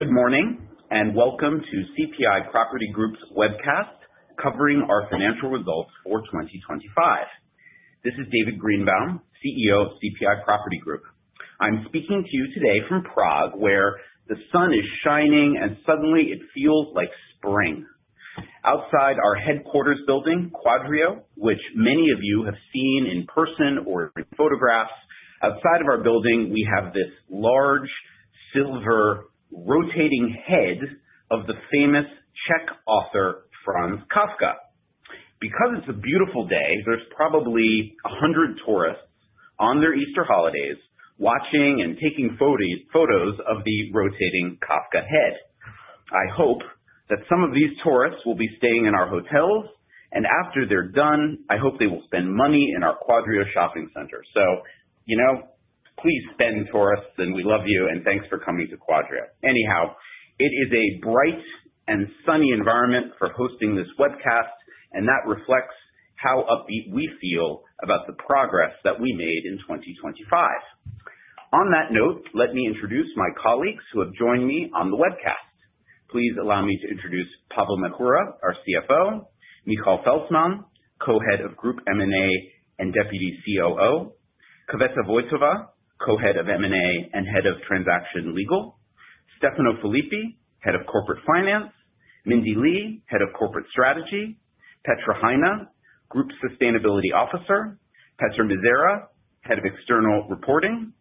Good morning, and welcome to CPI Property Group's webcast covering our financial results for 2025. This is David Greenbaum, CEO of CPI Property Group. I'm speaking to you today from Prague, where the sun is shining, and suddenly it feels like spring outside our headquarters building, Quadrio, which many of you have seen in person or through photographs. Outside of our building, we have this large, silver, rotating head of the famous Czech author, Franz Kafka. Because it's a beautiful day, there's probably 100 tourists on their Easter holidays watching and taking photos of the rotating Kafka head. I hope that some of these tourists will be staying in our hotels, and after they're done, I hope they will spend money in our Quadrio shopping center. Please spend, tourists, and we love you, and thanks for coming to Quadrio. Anyhow, it is a bright and sunny environment for hosting this webcast, and that reflects how upbeat we feel about the progress that we made in 2025. On that note, let me introduce my colleagues who have joined me on the webcast. Please allow me to introduce Pavel Měchura, our CFO. Michal Felcman, Co-Head of Group M&A and Deputy COO. Květa Vojtová, Co-Head of M&A and Head of Transactional Legal. Stefano Filippi, Head of Corporate Finance. Mindee Lee, Head of Corporate Strategy. Petra Hajná, Group Sustainability Officer. Petr Mizera, Head of External Reporting.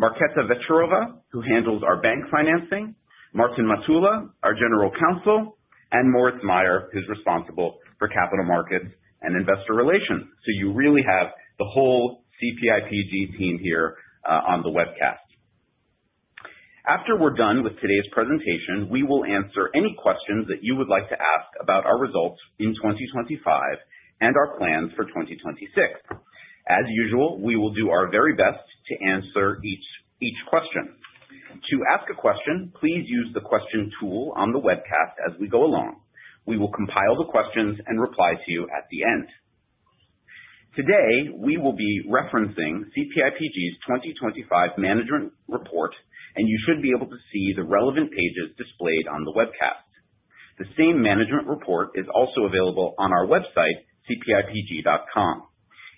Markéta Večeřová, who handles our bank financing. Martin Matula, our General Counsel, and Moritz Mayer, who's responsible for capital markets and investor relations. You really have the whole CPIPG team here on the webcast. After we're done with today's presentation, we will answer any questions that you would like to ask about our results in 2025 and our plans for 2026. As usual, we will do our very best to answer each question. To ask a question, please use the question tool on the webcast as we go along. We will compile the questions and reply to you at the end. Today, we will be referencing CPIPG's 2025 management report, and you should be able to see the relevant pages displayed on the webcast. The same management report is also available on our website, cpipg.com.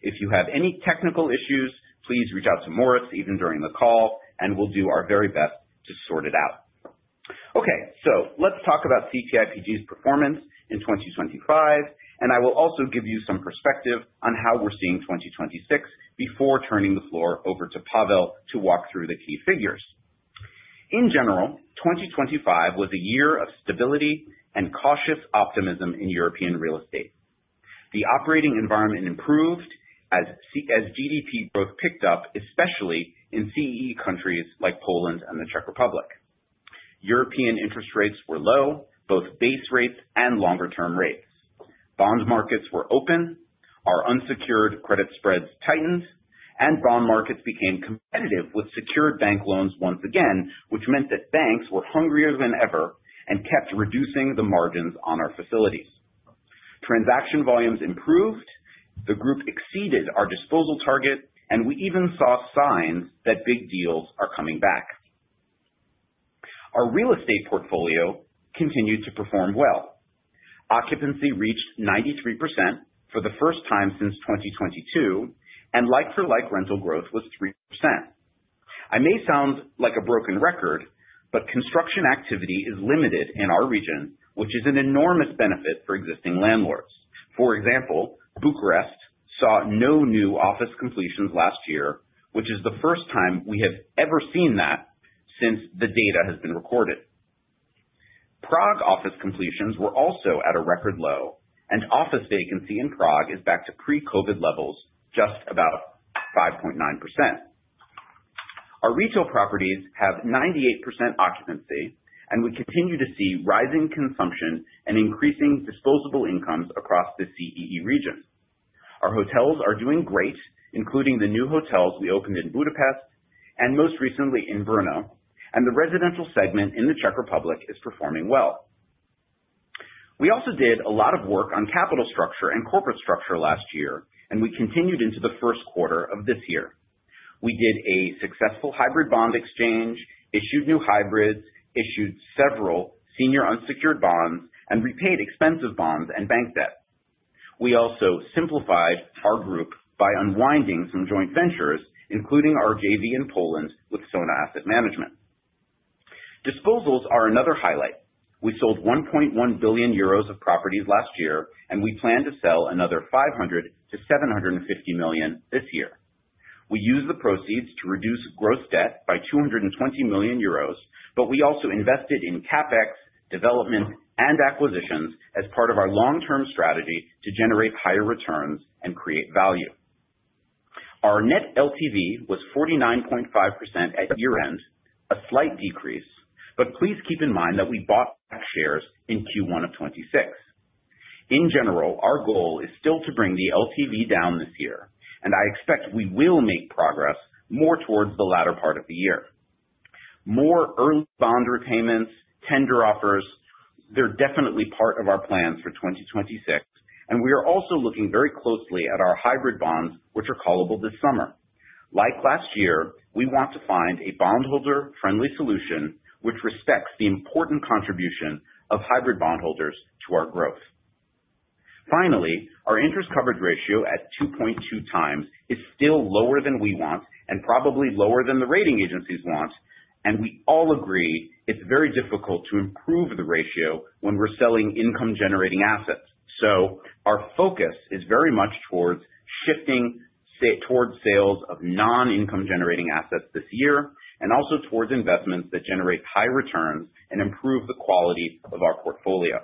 If you have any technical issues, please reach out to Moritz, even during the call, and we'll do our very best to sort it out. Okay. Let's talk about CPIPG's performance in 2025, and I will also give you some perspective on how we're seeing 2026 before turning the floor over to Pavel to walk through the key figures. In general, 2025 was a year of stability and cautious optimism in European real estate. The operating environment improved as GDP growth picked up, especially in CEE countries like Poland and the Czech Republic. European interest rates were low, both base rates and longer term rates. Bond markets were open. Our unsecured credit spreads tightened, and bond markets became competitive with secured bank loans once again, which meant that banks were hungrier than ever and kept reducing the margins on our facilities. Transaction volumes improved. The group exceeded our disposal target, and we even saw signs that big deals are coming back. Our real estate portfolio continued to perform well. Occupancy reached 93% for the first time since 2022, and like-for-like rental growth was 3%. I may sound like a broken record, but construction activity is limited in our region, which is an enormous benefit for existing landlords. For example, Bucharest saw no new office completions last year, which is the first time we have ever seen that since the data has been recorded. Prague office completions were also at a record low, and office vacancy in Prague is back to pre-COVID levels, just about 5.9%. Our retail properties have 98% occupancy, and we continue to see rising consumption and increasing disposable incomes across the CEE region. Our hotels are doing great, including the new hotels we opened in Budapest and most recently in Brno, and the residential segment in the Czech Republic is performing well. We also did a lot of work on capital structure and corporate structure last year, and we continued into the first quarter of this year. We did a successful hybrid bond exchange, issued new hybrids, issued several senior unsecured bonds, and repaid expensive bonds and bank debt. We also simplified our group by unwinding some joint ventures, including our JV in Poland with Sona Asset Management. Disposals are another highlight. We sold 1.1 billion euros of properties last year, and we plan to sell another 500 million-750 million this year. We used the proceeds to reduce gross debt by 220 million euros, but we also invested in CapEx, development, and acquisitions as part of our long-term strategy to generate higher returns and create value. Our net LTV was 49.5% at year-end, a slight decrease, but please keep in mind that we bought back shares in Q1 of 2026. In general, our goal is still to bring the LTV down this year, and I expect we will make progress more towards the latter part of the year. More early bond repayments, tender offers, they're definitely part of our plans for 2026, and we are also looking very closely at our hybrid bonds, which are callable this summer. Like last year, we want to find a bondholder friendly solution which respects the important contribution of hybrid bondholders to our growth. Finally, our interest coverage ratio at 2.2x is still lower than we want and probably lower than the rating agencies want, and we all agree it's very difficult to improve the ratio when we're selling income generating assets. Our focus is very much towards shifting towards sales of non-income generating assets this year, and also towards investments that generate high returns and improve the quality of our portfolio.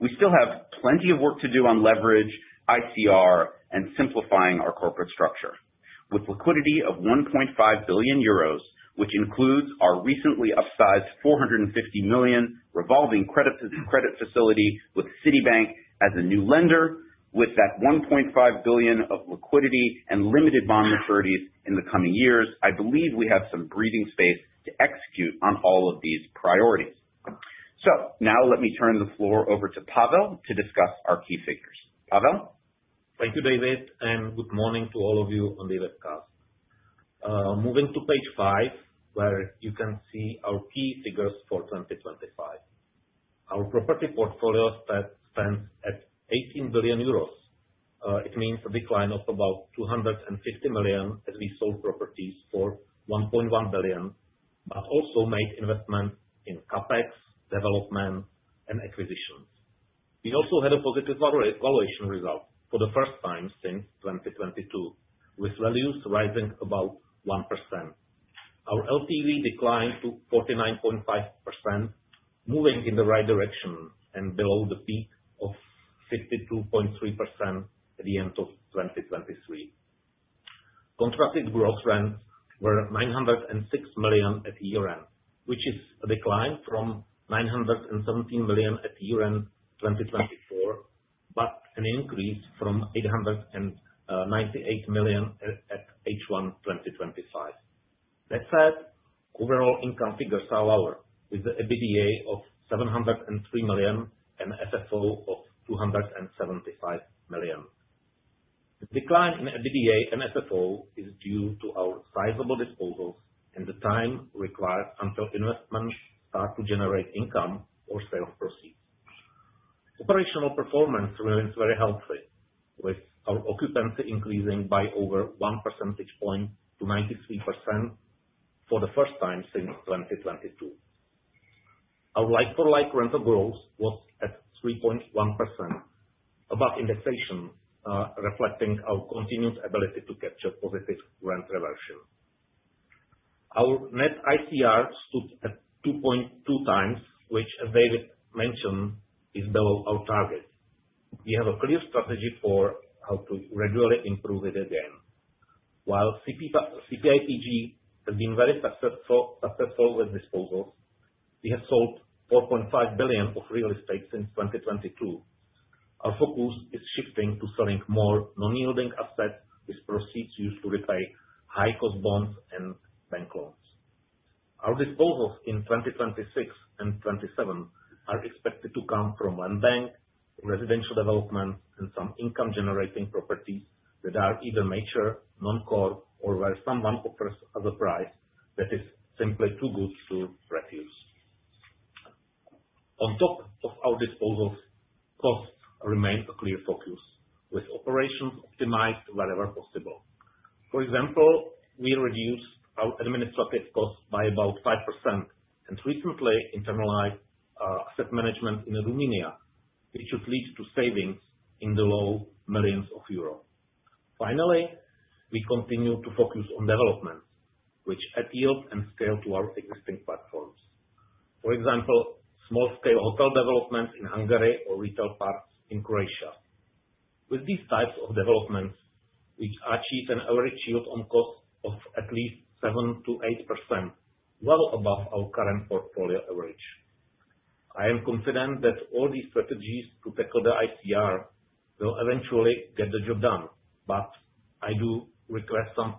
We still have plenty of work to do on leverage, ICR, and simplifying our corporate structure. With liquidity of 1.5 billion euros, which includes our recently upsized 450 million revolving credit facility with Citibank as a new lender, with that 1.5 billion of liquidity and limited bond maturities in the coming years, I believe we have some breathing space to execute on all of these priorities. Now let me turn the floor over to Pavel to discuss our key figures. Pavel? Thank you, David, and good morning to all of you on the webcast. Moving to page five, where you can see our key figures for 2025. Our property portfolio stands at 18 billion euros. It means a decline of about 250 million as we sold properties for 1.1 billion, but also made investments in CapEx, development, and acquisitions. We also had a positive valuation result for the first time since 2022, with values rising about 1%. Our LTV declined to 49.5%, moving in the right direction, and below the peak of 62.3% at the end of 2023. Contracted gross rents were 906 million at year-end, which is a decline from 917 million at year-end 2024, but an increase from 898 million at H1 2025. That said, overall income figures are lower, with the EBITDA of 703 million and FFO of 275 million. The decline in EBITDA and FFO is due to our sizable disposals and the time required until investments start to generate income or sales proceeds. Operational performance remains very healthy, with our occupancy increasing by over 1 percentage point to 93% for the first time since 2022. Our like-for-like rental growth was at 3.1%, above inflation, reflecting our continued ability to capture positive rent reversion. Our net ICR stood at 2.2x, which as David mentioned, is below our target. We have a clear strategy for how to regularly improve it again. While CPIPG has been very successful with disposals, we have sold 4.5 billion of real estate since 2022. Our focus is shifting to selling more non-yielding assets, with proceeds used to repay high cost bonds and bank loans. Our disposals in 2026 and 2027 are expected to come from land bank, residential development, and some income generating properties that are either mature, non-core, or where someone offers us a price that is simply too good to refuse. On top of our disposals, costs remain a clear focus, with operations optimized wherever possible. For example, we reduced our administrative costs by about 5% and recently internalized our asset management in Romania, which should lead to savings in the low millions of EUR. Finally, we continue to focus on developments which add yield and scale to our existing platforms. For example, small scale hotel developments in Hungary or retail parks in Croatia. With these types of developments, we achieve an average yield on cost of at least 7%-8%, well above our current portfolio average. I am confident that all these strategies to tackle the ICR will eventually get the job done, but I do request some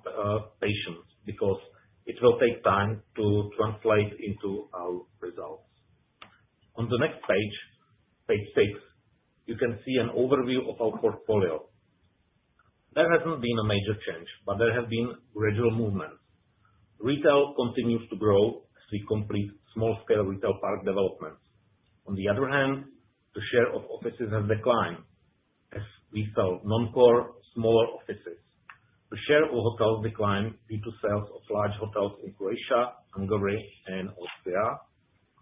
patience because it will take time to translate into our results. On the next page six, you can see an overview of our portfolio. There hasn't been a major change, but there have been gradual movements. Retail continues to grow as we complete small scale retail park developments. On the other hand, the share of offices has declined as we sold non-core smaller offices. The share of hotels declined due to sales of large hotels in Croatia, Hungary, and Austria.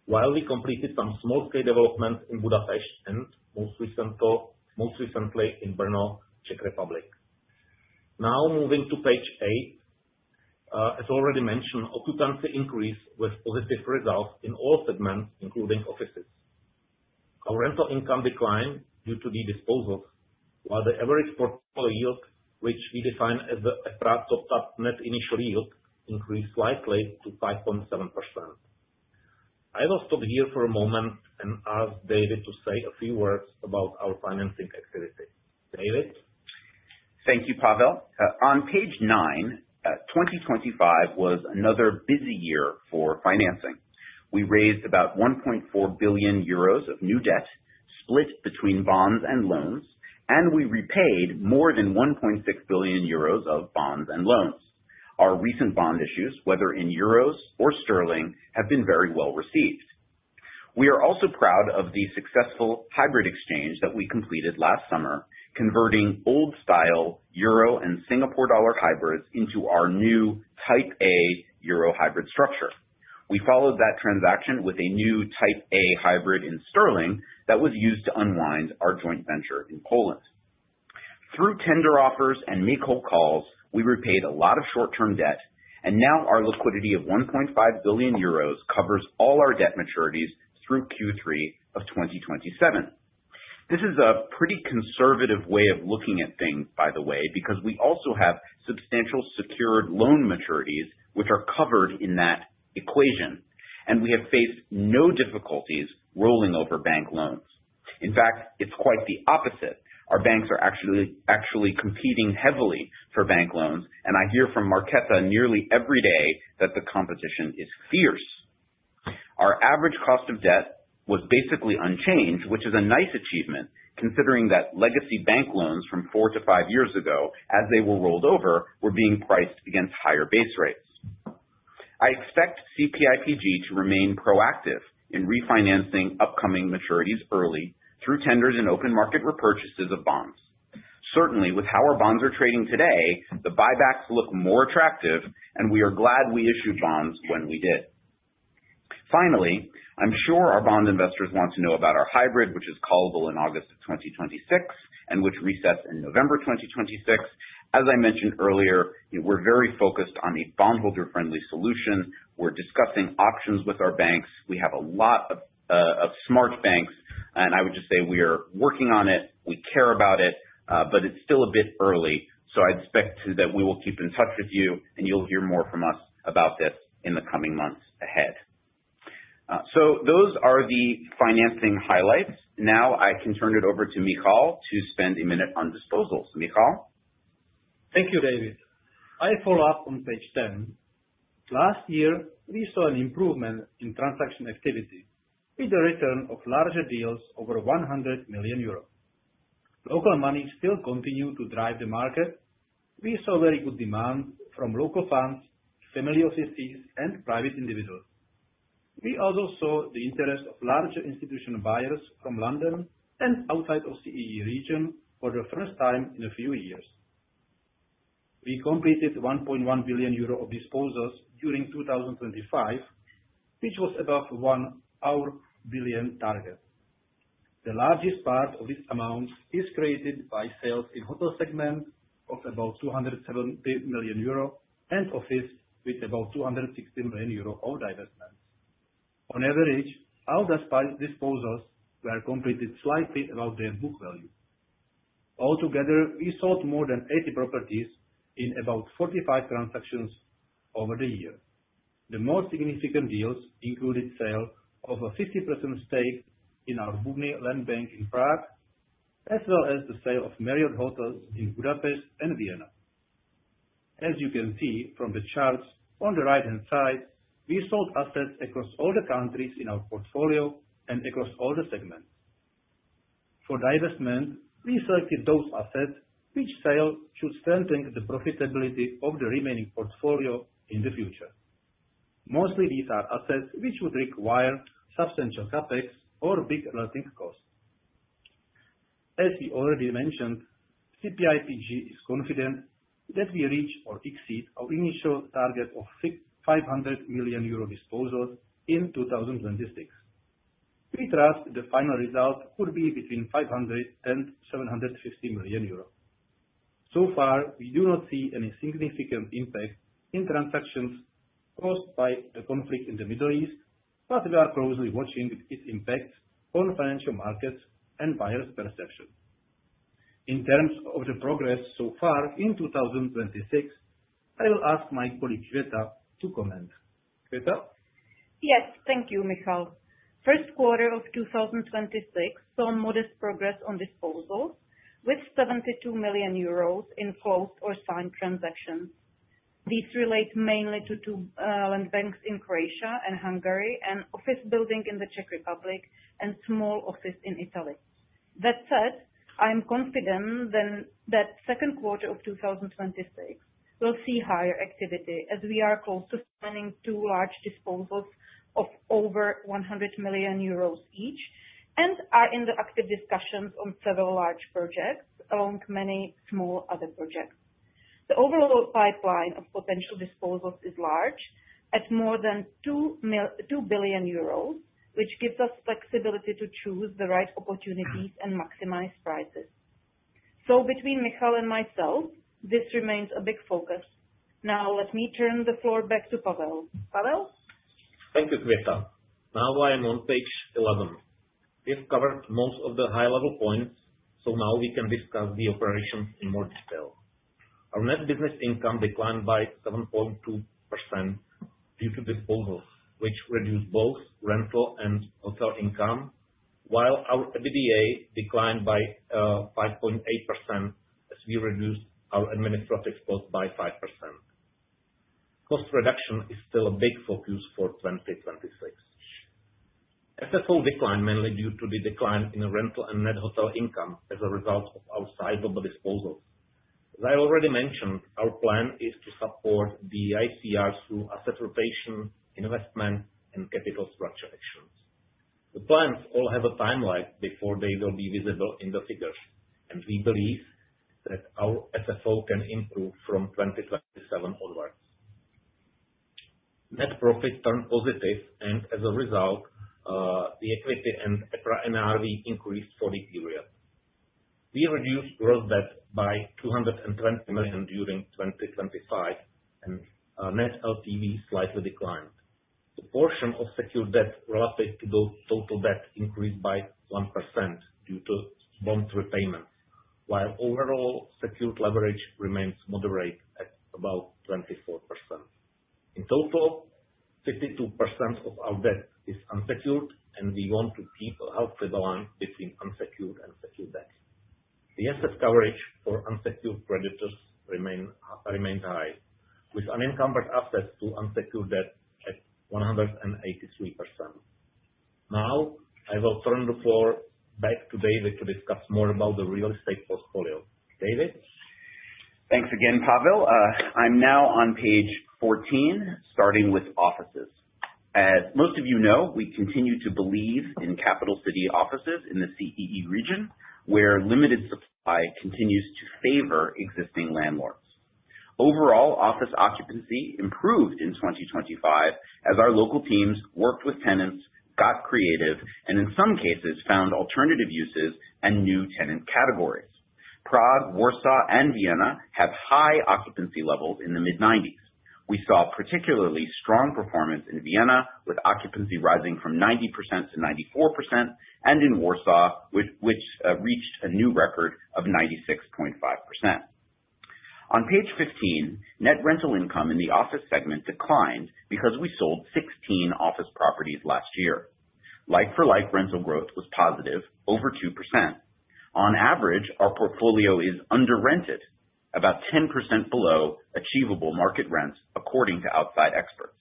While we completed some small scale developments in Budapest and most recently in Brno, Czech Republic. Now moving to page eight. As already mentioned, occupancy increased with positive results in all segments, including offices. Our rental income declined due to the disposals, while the average portfolio yield, which we define as the topped-up net initial yield, increased slightly to 5.7%. I will stop here for a moment and ask David to say a few words about our financing activity. David? Thank you, Pavel. On page nine, 2025 was another busy year for financing. We raised about 1.4 billion euros of new debt split between bonds and loans, and we repaid more than 1.6 billion euros of bonds and loans. Our recent bond issues, whether in euros or sterling, have been very well received. We are also proud of the successful hybrid exchange that we completed last summer, converting old style euro and Singapore dollar hybrids into our new Type A euro hybrid structure. We followed that transaction with a new Type A hybrid in sterling that was used to unwind our joint venture in Poland. Through tender offers and make-whole calls, we repaid a lot of short-term debt, and now our liquidity of 1.5 billion euros covers all our debt maturities through Q3 of 2027. This is a pretty conservative way of looking at things, by the way, because we also have substantial secured loan maturities, which are covered in that equation, and we have faced no difficulties rolling over bank loans. In fact, it's quite the opposite. Our banks are actually competing heavily for bank loans. I hear from Markéta nearly every day that the competition is fierce. Our average cost of debt was basically unchanged, which is a nice achievement considering that legacy bank loans from 4-5 years ago, as they were rolled over, were being priced against higher base rates. I expect CPIPG to remain proactive in refinancing upcoming maturities early through tenders and open market repurchases of bonds. Certainly, with how our bonds are trading today, the buybacks look more attractive, and we are glad we issued bonds when we did. Finally, I'm sure our bond investors want to know about our hybrid, which is callable in August of 2026, and which resets in November 2026. As I mentioned earlier, we're very focused on a bondholder-friendly solution. We're discussing options with our banks. We have a lot of smart banks, and I would just say we are working on it. We care about it, but it's still a bit early. I'd expect that we will keep in touch with you, and you'll hear more from us about this in the coming months ahead. Those are the financing highlights. Now I can turn it over to Michal to spend a minute on disposals. Michal? Thank you, David. I follow up on page 10. Last year, we saw an improvement in transaction activity with the return of larger deals over 100 million euros. Local money still continued to drive the market. We saw very good demand from local funds, familiar CTs, and private individuals. We also saw the interest of larger institutional buyers from London and outside of CEE region for the first time in a few years. We completed 1.1 billion euro of disposals during 2025, which was above our billion target. The largest part of this amount is created by sales in hotel segment of about 270 million euro and office with about 260 million euro of divestments. On average, all disposals were completed slightly above their book value. Altogether, we sold more than 80 properties in about 45 transactions over the year. The more significant deals included sale of a 50% stake in our Bubny land bank in Prague, as well as the sale of Marriott Hotels in Budapest and Vienna. As you can see from the charts on the right-hand side, we sold assets across all the countries in our portfolio and across all the segments. For divestment, we selected those assets which sale should strengthen the profitability of the remaining portfolio in the future. Mostly these are assets which would require substantial CapEx or big relative cost. As we already mentioned, CPIPG is confident that we reach or exceed our initial target of 500 million euro disposals in 2026. We trust the final result could be between 500 million euros and 750 million euros. So far, we do not see any significant impact in transactions caused by the conflict in the Middle East, but we are closely watching its impact on financial markets and buyers' perception. In terms of the progress so far in 2026, I will ask my colleague, Květa, to comment. Květa? Yes. Thank you, Michal. First quarter of 2026 saw modest progress on disposals with 72 million euros in closed or signed transactions. These relate mainly to two land banks in Croatia and Hungary, an office building in the Czech Republic, and small office in Italy. That said, I'm confident that second quarter of 2026 will see higher activity as we are close to signing two large disposals of over 100 million euros each, and are in the active discussions on several large projects, along with many small other projects. The overall pipeline of potential disposals is large at more than 2 billion euros, which gives us flexibility to choose the right opportunities and maximize prices. Between Michal and myself, this remains a big focus. Now let me turn the floor back to Pavel. Pavel? Thank you, Květa. Now I am on page 11. We have covered most of the high level points, so now we can discuss the operations in more detail. Our net business income declined by 7.2% due to disposals, which reduced both rental and hotel income. While our EBITDA declined by 5.8%, as we reduced our administrative costs by 5%. Cost reduction is still a big focus for 2026. FFO declined mainly due to the decline in rental and net hotel income as a result of our sizable disposals. As I already mentioned, our plan is to support the ICR through asset rotation, investment, and capital structure actions. The plans all have a timeline before they will be visible in the figures, and we believe that our FFO can improve from 2027 onwards. Net profit turned positive and as a result, the equity and EPRA NRV increased for the period. We reduced gross debt by 220 million during 2025, and our net LTV slightly declined. The portion of secured debt relative to the total debt increased by 1% due to bond repayments, while overall secured leverage remains moderate at about 24%. In total, 52% of our debt is unsecured, and we want to keep a healthy balance between unsecured and secured debt. The asset coverage for unsecured creditors remains high, with unencumbered assets to unsecured debt at 183%. Now, I will turn the floor back to David to discuss more about the real estate portfolio. David? Thanks again, Pavel. I'm now on page 14, starting with offices. As most of you know, we continue to believe in capital city offices in the CEE region, where limited supply continues to favor existing landlords. Overall office occupancy improved in 2025 as our local teams worked with tenants, got creative, and in some cases, found alternative uses and new tenant categories. Prague, Warsaw, and Vienna have high occupancy levels in the mid-90s. We saw particularly strong performance in Vienna, with occupancy rising from 90% to 94%, and in Warsaw, which reached a new record of 96.5%. On page 15, net rental income in the office segment declined because we sold 16 office properties last year. Like-for-like rental growth was positive, over 2%. On average, our portfolio is under rented, about 10% below achievable market rents, according to outside experts.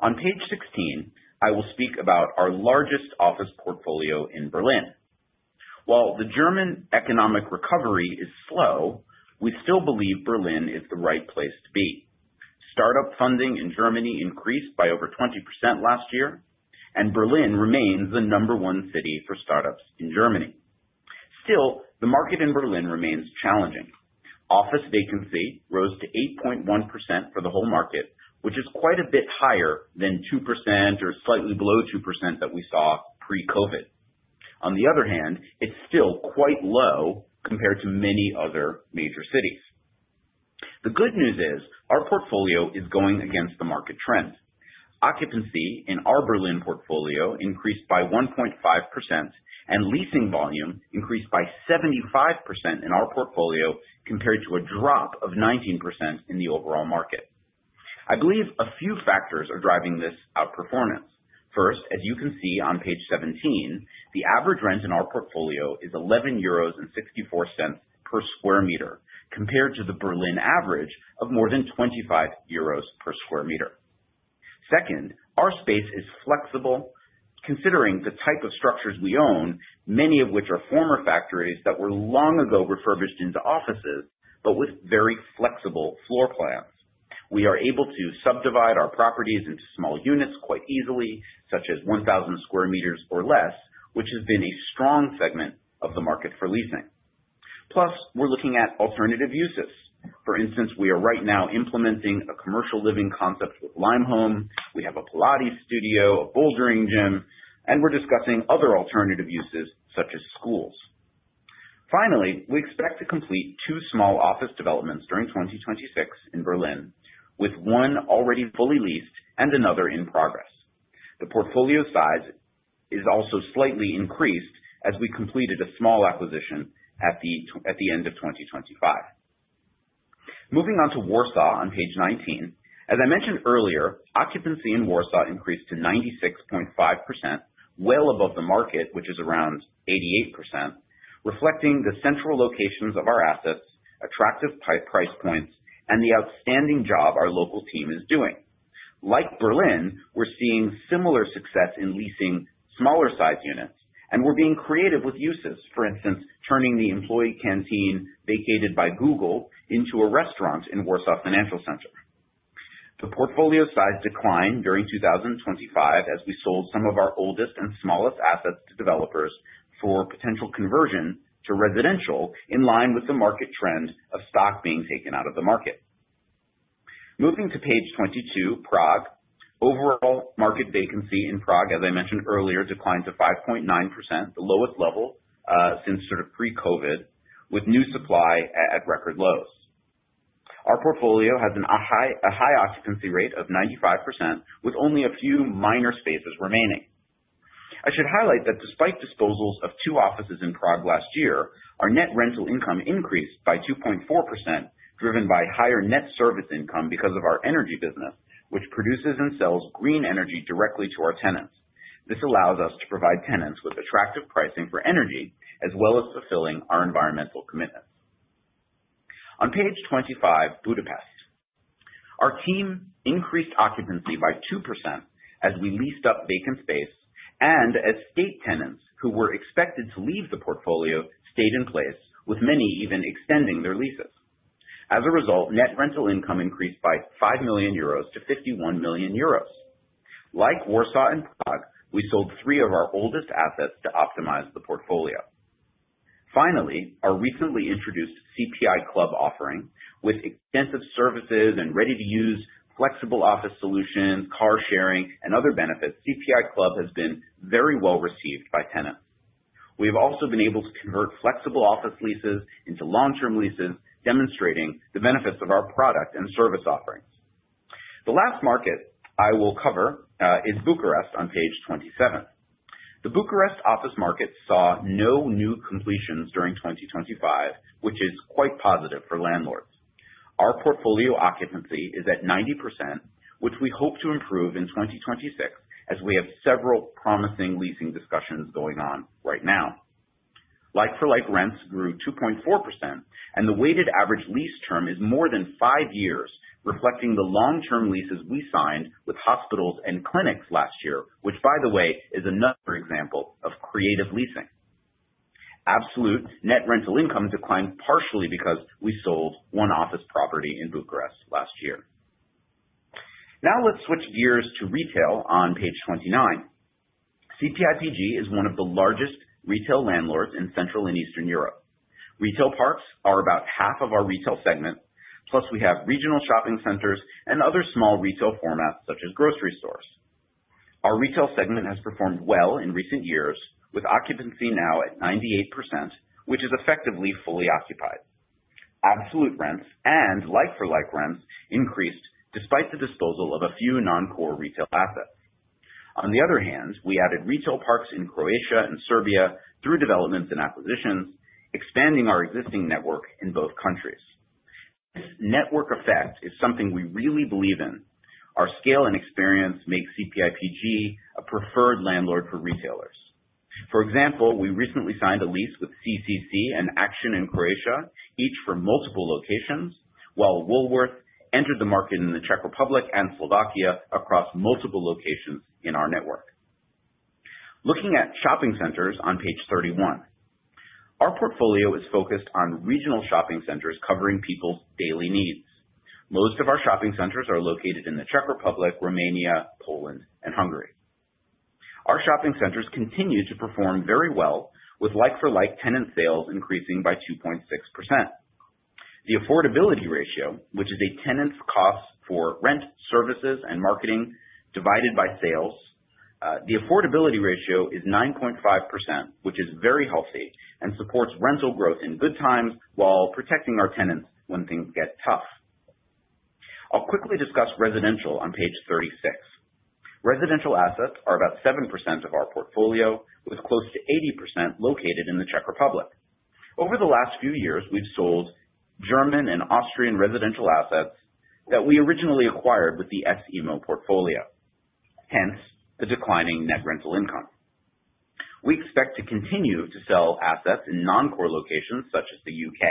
On page 16, I will speak about our largest office portfolio in Berlin. While the German economic recovery is slow, we still believe Berlin is the right place to be. Startup funding in Germany increased by over 20% last year, and Berlin remains the number one city for startups in Germany. Still, the market in Berlin remains challenging. Office vacancy rose to 8.1% for the whole market, which is quite a bit higher than 2% or slightly below 2% that we saw pre-COVID. On the other hand, it's still quite low compared to many other major cities. The good news is, our portfolio is going against the market trend. Occupancy in our Berlin portfolio increased by 1.5%, and leasing volume increased by 75% in our portfolio, compared to a drop of 19% in the overall market. I believe a few factors are driving this outperformance. First, as you can see on page 17, the average rent in our portfolio is 11.64 euros per sq m, compared to the Berlin average of more than 25 euros per sq m. Second, our space is flexible considering the type of structures we own, many of which are former factories that were long ago refurbished into offices, but with very flexible floor plans. We are able to subdivide our properties into small units quite easily, such as 1,000 sq m or less, which has been a strong segment of the market for leasing. Plus, we're looking at alternative uses. For instance, we are right now implementing a commercial living concept with Limehome. We have a Pilates studio, a bouldering gym, and we're discussing other alternative uses such as schools. Finally, we expect to complete two small office developments during 2026 in Berlin, with one already fully leased and another in progress. The portfolio size is also slightly increased as we completed a small acquisition at the end of 2025. Moving on to Warsaw on page 19. As I mentioned earlier, occupancy in Warsaw increased to 96.5%, well above the market, which is around 88%, reflecting the central locations of our assets, attractive price points, and the outstanding job our local team is doing. Like Berlin, we're seeing similar success in leasing smaller size units, and we're being creative with uses. For instance, turning the employee canteen vacated by Google into a restaurant in Warsaw Financial Center. The portfolio size declined during 2025 as we sold some of our oldest and smallest assets to developers for potential conversion to residential, in line with the market trend of stock being taken out of the market. Moving to page 22, Prague. Overall market vacancy in Prague, as I mentioned earlier, declined to 5.9%, the lowest level since sort of pre-COVID, with new supply at record lows. Our portfolio has a high occupancy rate of 95%, with only a few minor spaces remaining. I should highlight that despite disposals of two offices in Prague last year, our net rental income increased by 2.4%, driven by higher net service income because of our energy business, which produces and sells green energy directly to our tenants. This allows us to provide tenants with attractive pricing for energy, as well as fulfilling our environmental commitments. On page 25, Budapest. Our team increased occupancy by 2% as we leased up vacant space and as state tenants who were expected to leave the portfolio stayed in place, with many even extending their leases. As a result, net rental income increased by 5 million euros to 51 million euros. Like Warsaw and Prague, we sold three of our oldest assets to optimize the portfolio. Finally, our recently introduced CPI Club offering with extensive services and ready-to-use flexible office solutions, car sharing, and other benefits. CPI Club has been very well-received by tenants. We have also been able to convert flexible office leases into long-term leases, demonstrating the benefits of our product and service offerings. The last market I will cover is Bucharest on page 27. The Bucharest office market saw no new completions during 2025, which is quite positive for landlords. Our portfolio occupancy is at 90%, which we hope to improve in 2026 as we have several promising leasing discussions going on right now. Like-for-like rents grew 2.4%, and the weighted average lease term is more than five years, reflecting the long-term leases we signed with hospitals and clinics last year, which by the way, is another example of creative leasing. Absolute net rental income declined partially because we sold one office property in Bucharest last year. Now let's switch gears to retail on page 29. CPIPG is one of the largest retail landlords in Central and Eastern Europe. Retail parks are about half of our retail segment, plus we have regional shopping centers and other small retail formats such as grocery stores. Our retail segment has performed well in recent years, with occupancy now at 98%, which is effectively fully occupied. Absolute rents and like-for-like rents increased despite the disposal of a few non-core retail assets. On the other hand, we added retail parks in Croatia and Serbia through developments and acquisitions, expanding our existing network in both countries. This network effect is something we really believe in. Our scale and experience makes CPIPG a preferred landlord for retailers. For example, we recently signed a lease with CCC and Action in Croatia, each for multiple locations, while Woolworth entered the market in the Czech Republic and Slovakia across multiple locations in our network. Looking at shopping centers on page 31. Our portfolio is focused on regional shopping centers covering people's daily needs. Most of our shopping centers are located in the Czech Republic, Romania, Poland, and Hungary. Our shopping centers continue to perform very well, with like-for-like tenant sales increasing by 2.6%. The affordability ratio, which is a tenant's cost for rent, services, and marketing divided by sales. The affordability ratio is 9.5%, which is very healthy and supports rental growth in good times while protecting our tenants when things get tough. I'll quickly discuss residential on page 36. Residential assets are about 7% of our portfolio, with close to 80% located in the Czech Republic. Over the last few years, we've sold German and Austrian residential assets that we originally acquired with the S IMMO portfolio, hence the declining net rental income. We expect to continue to sell assets in non-core locations such as the U.K.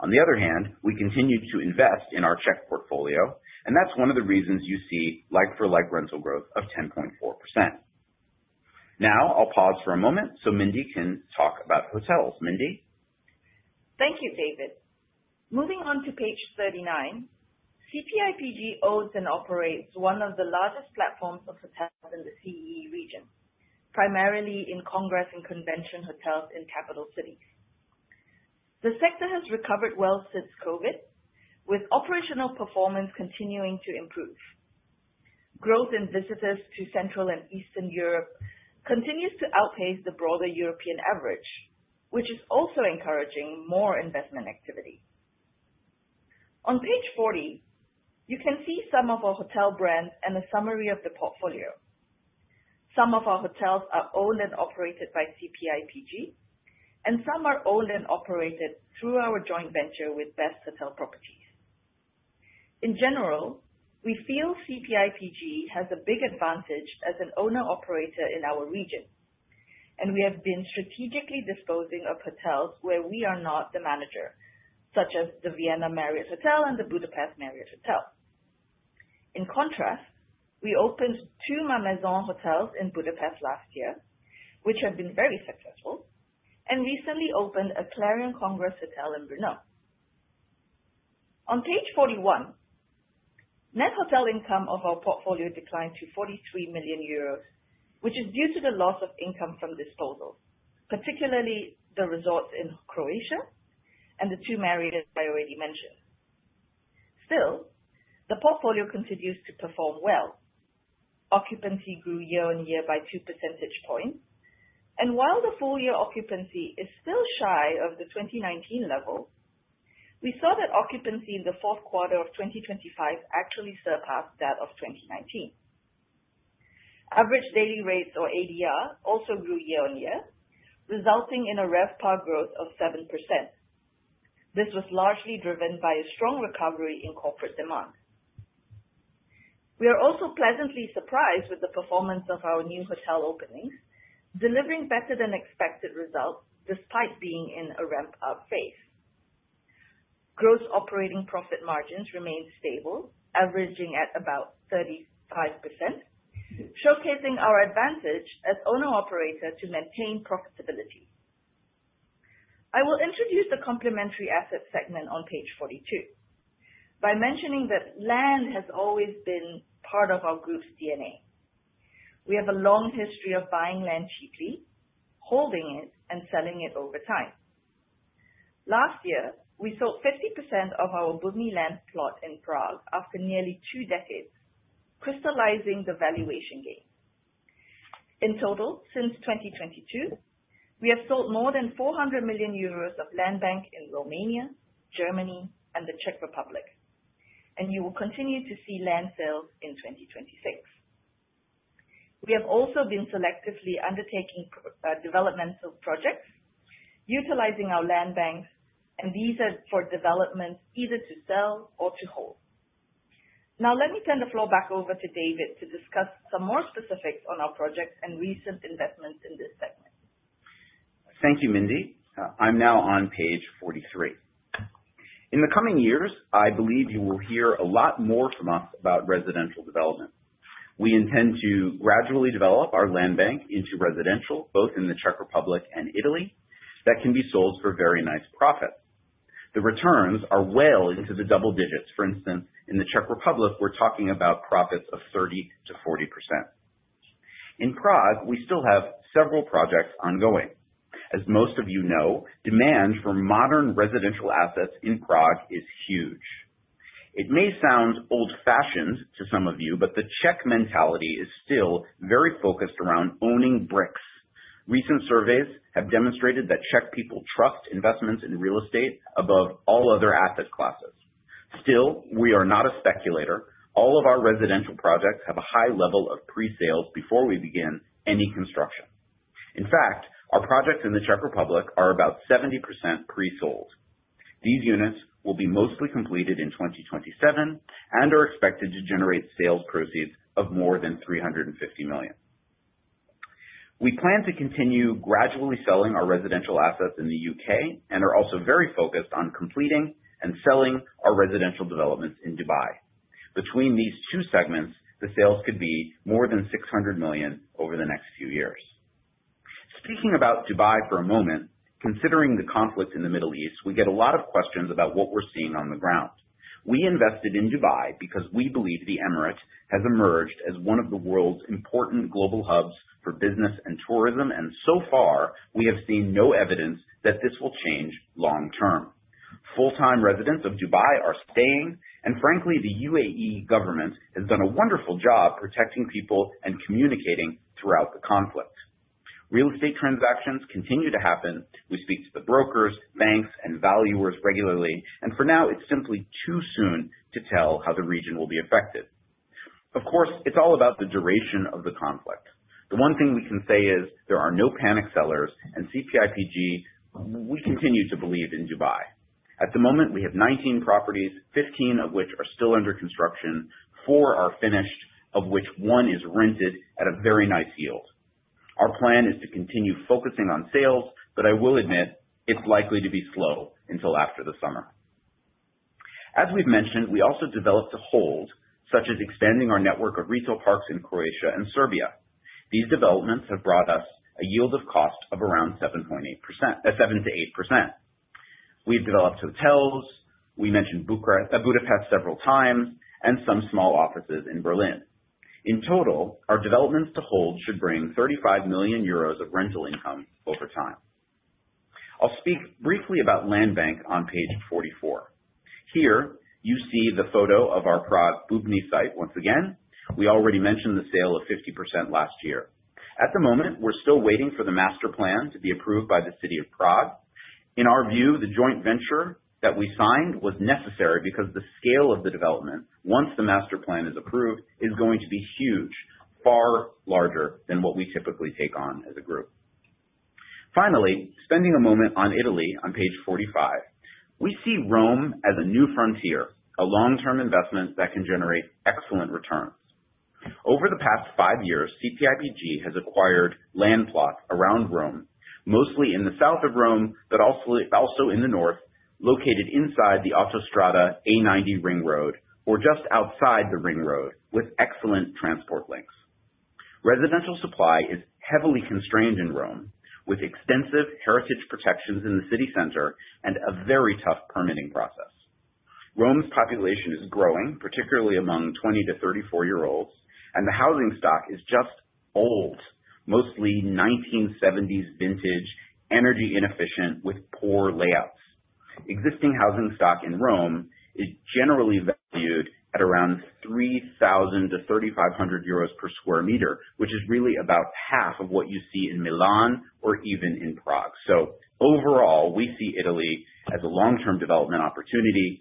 On the other hand, we continue to invest in our Czech portfolio, and that's one of the reasons you see like-for-like rental growth of 10.4%. Now, I'll pause for a moment so Mindee can talk about hotels. Mindee? Thank you, David. Moving on to page 39. CPIPG owns and operates one of the largest platforms of hotels in the CEE region, primarily in congress and convention hotels in capital cities. The sector has recovered well since COVID, with operational performance continuing to improve. Growth in visitors to Central and Eastern Europe continues to outpace the broader European average, which is also encouraging more investment activity. On page 40, you can see some of our hotel brands and a summary of the portfolio. Some of our hotels are owned and operated by CPIPG, and some are owned and operated through our joint venture with Best Hotel Properties. In general, we feel CPIPG has a big advantage as an owner/operator in our region, and we have been strategically disposing of hotels where we are not the manager, such as the Vienna Marriott Hotel and the Budapest Marriott Hotel. In contrast, we opened two Mamaison hotels in Budapest last year, which have been very successful, and recently opened a Clarion Congress Hotel in Brno. On page 41, net hotel income of our portfolio declined to 43 million euros, which is due to the loss of income from disposals, particularly the resorts in Croatia and the two Marriotts I already mentioned. Still, the portfolio continues to perform well. Occupancy grew year-on-year by 2 percentage points, and while the full year occupancy is still shy of the 2019 level, we saw that occupancy in the fourth quarter of 2025 actually surpassed that of 2019. Average daily rates, or ADR, also grew year-on-year, resulting in a RevPAR growth of 7%. This was largely driven by a strong recovery in corporate demand. We are also pleasantly surprised with the performance of our new hotel openings, delivering better than expected results despite being in a ramp-up phase. Gross operating profit margins remain stable, averaging at about 35%, showcasing our advantage as owner-operator to maintain profitability. I will introduce the complementary asset segment on page 42 by mentioning that land has always been part of our group's DNA. We have a long history of buying land cheaply, holding it, and selling it over time. Last year, we sold 50% of our Bubny land plot in Prague after nearly two decades, crystallizing the valuation gain. In total, since 2022, we have sold more than 400 million euros of land bank in Romania, Germany, and the Czech Republic, and you will continue to see land sales in 2026. We have also been selectively undertaking developmental projects utilizing our land banks, and these are for development either to sell or to hold. Now, let me turn the floor back over to David to discuss some more specifics on our projects and recent investments in this segment. Thank you, Mindee. I'm now on page 43. In the coming years, I believe you will hear a lot more from us about residential development. We intend to gradually develop our land bank into residential, both in the Czech Republic and Italy, that can be sold for very nice profits. The returns are well into the double digits. For instance, in the Czech Republic, we're talking about profits of 30%-40%. In Prague, we still have several projects ongoing. As most of you know, demand for modern residential assets in Prague is huge. It may sound old-fashioned to some of you, but the Czech mentality is still very focused around owning bricks. Recent surveys have demonstrated that Czech people trust investments in real estate above all other asset classes. Still, we are not a speculator. All of our residential projects have a high level of pre-sales before we begin any construction. In fact, our projects in the Czech Republic are about 70% pre-sold. These units will be mostly completed in 2027 and are expected to generate sales proceeds of more than $350 million. We plan to continue gradually selling our residential assets in the U.K. and are also very focused on completing and selling our residential developments in Dubai. Between these two segments, the sales could be more than $600 million over the next few years. Speaking about Dubai for a moment, considering the conflict in the Middle East, we get a lot of questions about what we're seeing on the ground. We invested in Dubai because we believe the emirate has emerged as one of the world's important global hubs for business and tourism, and so far, we have seen no evidence that this will change long term. Full-time residents of Dubai are staying, and frankly, the UAE government has done a wonderful job protecting people and communicating throughout the conflict. Real estate transactions continue to happen. We speak to the brokers, banks, and valuers regularly, and for now, it's simply too soon to tell how the region will be affected. Of course, it's all about the duration of the conflict. The one thing we can say is there are no panic sellers, and CPIPG, we continue to believe in Dubai. At the moment, we have 19 properties, 15 of which are still under construction. Four are finished, of which one is rented at a very nice yield. Our plan is to continue focusing on sales, but I will admit it's likely to be slow until after the summer. As we've mentioned, we also developed a hold, such as extending our network of retail parks in Croatia and Serbia. These developments have brought us a yield on cost of around 7%-8%. We've developed hotels, we mentioned Budapest several times, and some small offices in Berlin. In total, our developments to hold should bring 35 million euros of rental income over time. I'll speak briefly about land bank on page 44. Here, you see the photo of our Prague Bubny site once again. We already mentioned the sale of 50% last year. At the moment, we're still waiting for the master plan to be approved by the City of Prague. In our view, the joint venture that we signed was necessary because the scale of the development, once the master plan is approved, is going to be huge, far larger than what we typically take on as a group. Finally, spending a moment on Italy on page 45. We see Rome as a new frontier, a long-term investment that can generate excellent returns. Over the past five years, CPIPG has acquired land plot around Rome, mostly in the south of Rome, but also in the north, located inside the Autostrada A90 ring road or just outside the ring road with excellent transport links. Residential supply is heavily constrained in Rome, with extensive heritage protections in the city center and a very tough permitting process. Rome's population is growing, particularly among 20- to 34-year-olds, and the housing stock is just old, mostly 1970s vintage, energy inefficient, with poor layouts. Existing housing stock in Rome is generally valued at around 3,000-3,500 euros per sq m, which is really about half of what you see in Milan or even in Prague. Overall, we see Italy as a long-term development opportunity,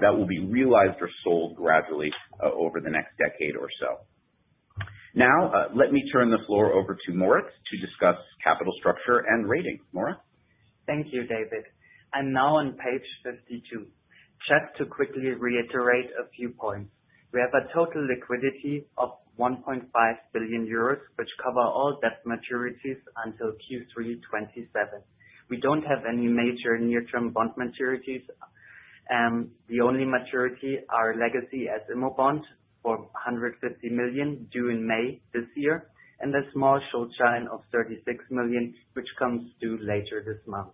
that will be realized or sold gradually over the next decade or so. Now, let me turn the floor over to Moritz to discuss capital structure and ratings. Moritz? Thank you, David. I'm now on page 52. Just to quickly reiterate a few points. We have a total liquidity of 1.5 billion euros, which cover all debt maturities until Q3 2027. We don't have any major near-term bond maturities. The only maturity are legacy S IMMO bond for 150 million due in May this year, and a small short term of 36 million, which comes due later this month.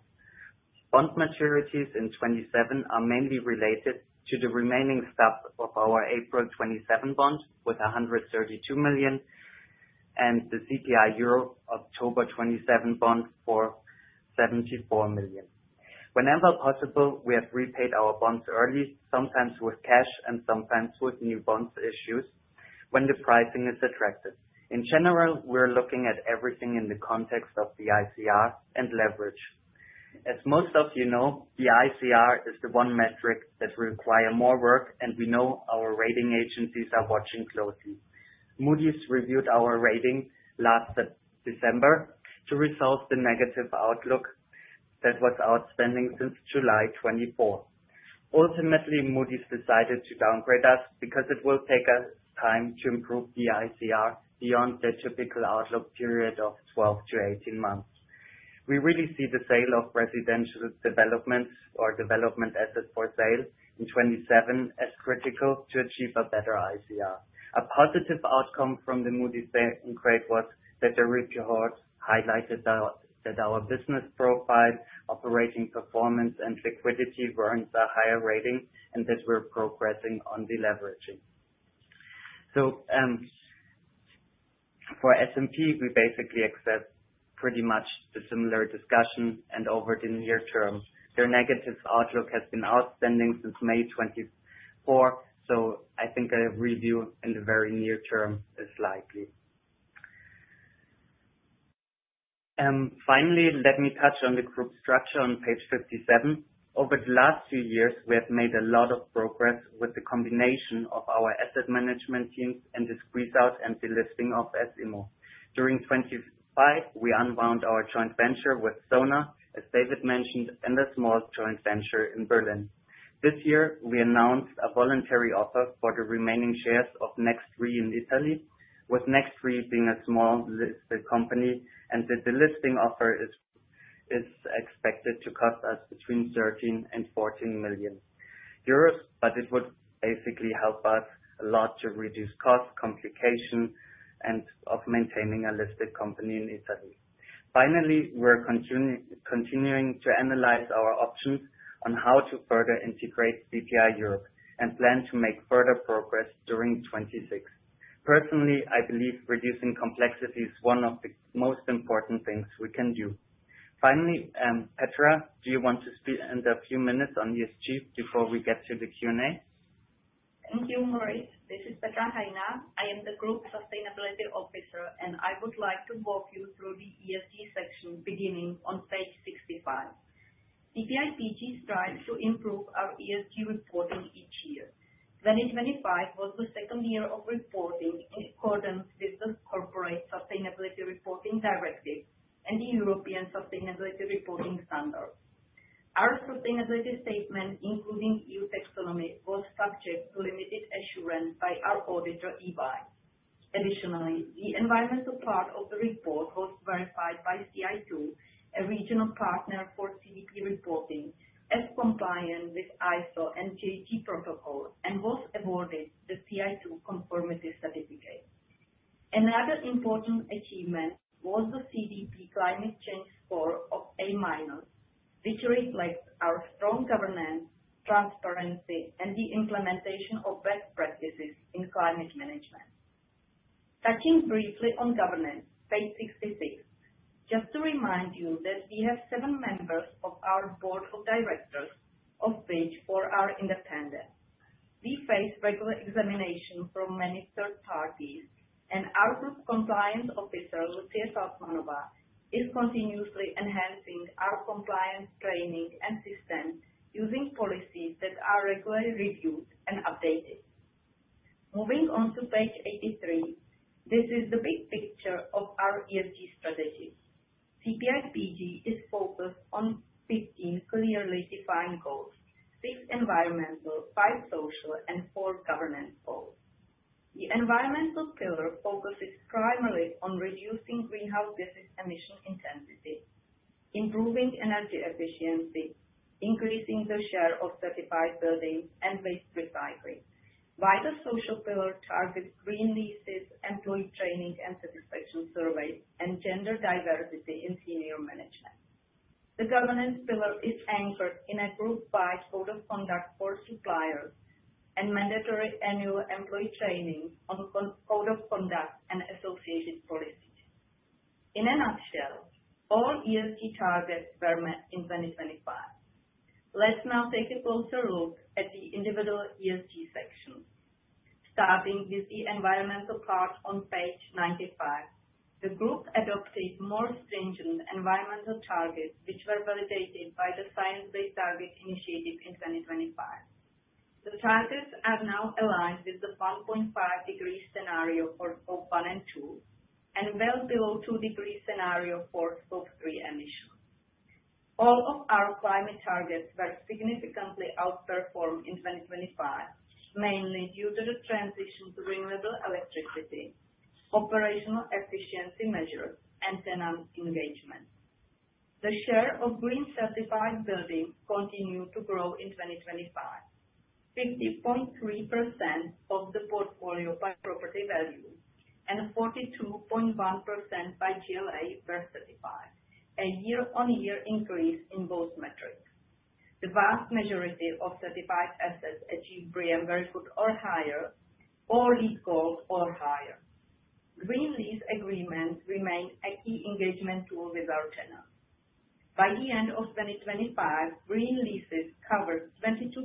Bond maturities in 2027 are mainly related to the remaining stub of our April 2027 bond, with 132 million, and the CPI Europe October 2027 bond for 74 million. Whenever possible, we have repaid our bonds early, sometimes with cash and sometimes with new bond issues when the pricing is attractive. In general, we're looking at everything in the context of the ICR and leverage. As most of you know, the ICR is the one metric that require more work, and we know our rating agencies are watching closely. Moody's reviewed our rating last December to resolve the negative outlook that was outstanding since July 2024. Ultimately, Moody's decided to downgrade us because it will take us time to improve the ICR beyond their typical outlook period of 12-18 months. We really see the sale of residential developments or development assets for sale in 2027 as critical to achieve a better ICR. A positive outcome from the Moody's downgrade was that the report highlighted that our business profile, operating performance, and liquidity warrants a higher rating, and that we're progressing on deleveraging. For S&P, we basically accept pretty much the similar discussion and over the near term. Their negative outlook has been outstanding since May 2024, so I think a review in the very near term is likely. Finally, let me touch on the group structure on page 57. Over the last few years, we have made a lot of progress with the combination of our asset management teams and the squeeze out and delisting of S IMMO. During 2025, we unwound our joint venture with Sona, as David mentioned, and the small joint venture in Berlin. This year, we announced a voluntary offer for the remaining shares of Next RE in Italy, with Next RE being a small listed company, and the listing offer is expected to cost us between $13 million and $14 million, but it would basically help us a lot to reduce costs, complications, and the cost of maintaining a listed company in Italy. Finally, we're continuing to analyze our options on how to further integrate CPI Europe and plan to make further progress during 2026. Personally, I believe reducing complexity is one of the most important things we can do. Finally, Petra, do you want to speak in a few minutes on ESG before we get to the Q&A? Thank you, Moritz. This is Petra Hajná. I am the Group Sustainability Officer, and I would like to walk you through the ESG section beginning on page 65. CPIPG strives to improve our ESG reporting each year. 2025 was the second year of reporting in accordance with the Corporate Sustainability Reporting Directive and the European Sustainability Reporting Standards. Our sustainability statement, including EU taxonomy, was subject to limited assurance by our auditor, EY. Additionally, the environmental part of the report was verified by CI2, a regional partner for CDP reporting as compliant with ISO and GHG Protocol, and was awarded the CI2 Conformity Certificate. Another important achievement was the CDP climate change score of A-, which reflects our strong governance, transparency, and the implementation of best practices in climate management. Touching briefly on governance, page 66. Just to remind you that we have seven members of our board of directors, of which four are independent. We face regular examination from many third parties, and our Group Compliance Officer, Lucie Salzmanová, is continuously enhancing our compliance training and systems using policies that are regularly reviewed and updated. Moving on to page 83, this is the big picture of our ESG strategy. CPIPG is focused on 15 clearly defined goals, six environmental, five social, and four governance goals. The environmental pillar focuses primarily on reducing greenhouse gas emission intensity, improving energy efficiency, increasing the share of certified buildings and waste recovery, while the social pillar targets green leases, employee training and satisfaction surveys, and gender diversity in senior management. The governance pillar is anchored in a group-wide code of conduct for suppliers and mandatory annual employee training on code of conduct and associated policies. In a nutshell, all ESG targets were met in 2025. Let's now take a closer look at the individual ESG section. Starting with the environmental part on page 95. The group adopted more stringent environmental targets, which were validated by the Science Based Targets initiative in 2025. The targets are now aligned with the 1.5-degree scenario for Scope 1 and 2, and well below 2-degree scenario for Scope 3 emissions. All of our climate targets were significantly outperformed in 2025, mainly due to the transition to renewable electricity, operational efficiency measures and tenant engagement. The share of green certified buildings continued to grow in 2025, 50.3% of the portfolio by property value and 42.1% by GLA were certified, a year-on-year increase in both metrics. The vast majority of certified assets achieved BREEAM Very Good or higher, or LEED Gold or higher. Green lease agreements remain a key engagement tool with our tenants. By the end of 2025, green leases covered 22%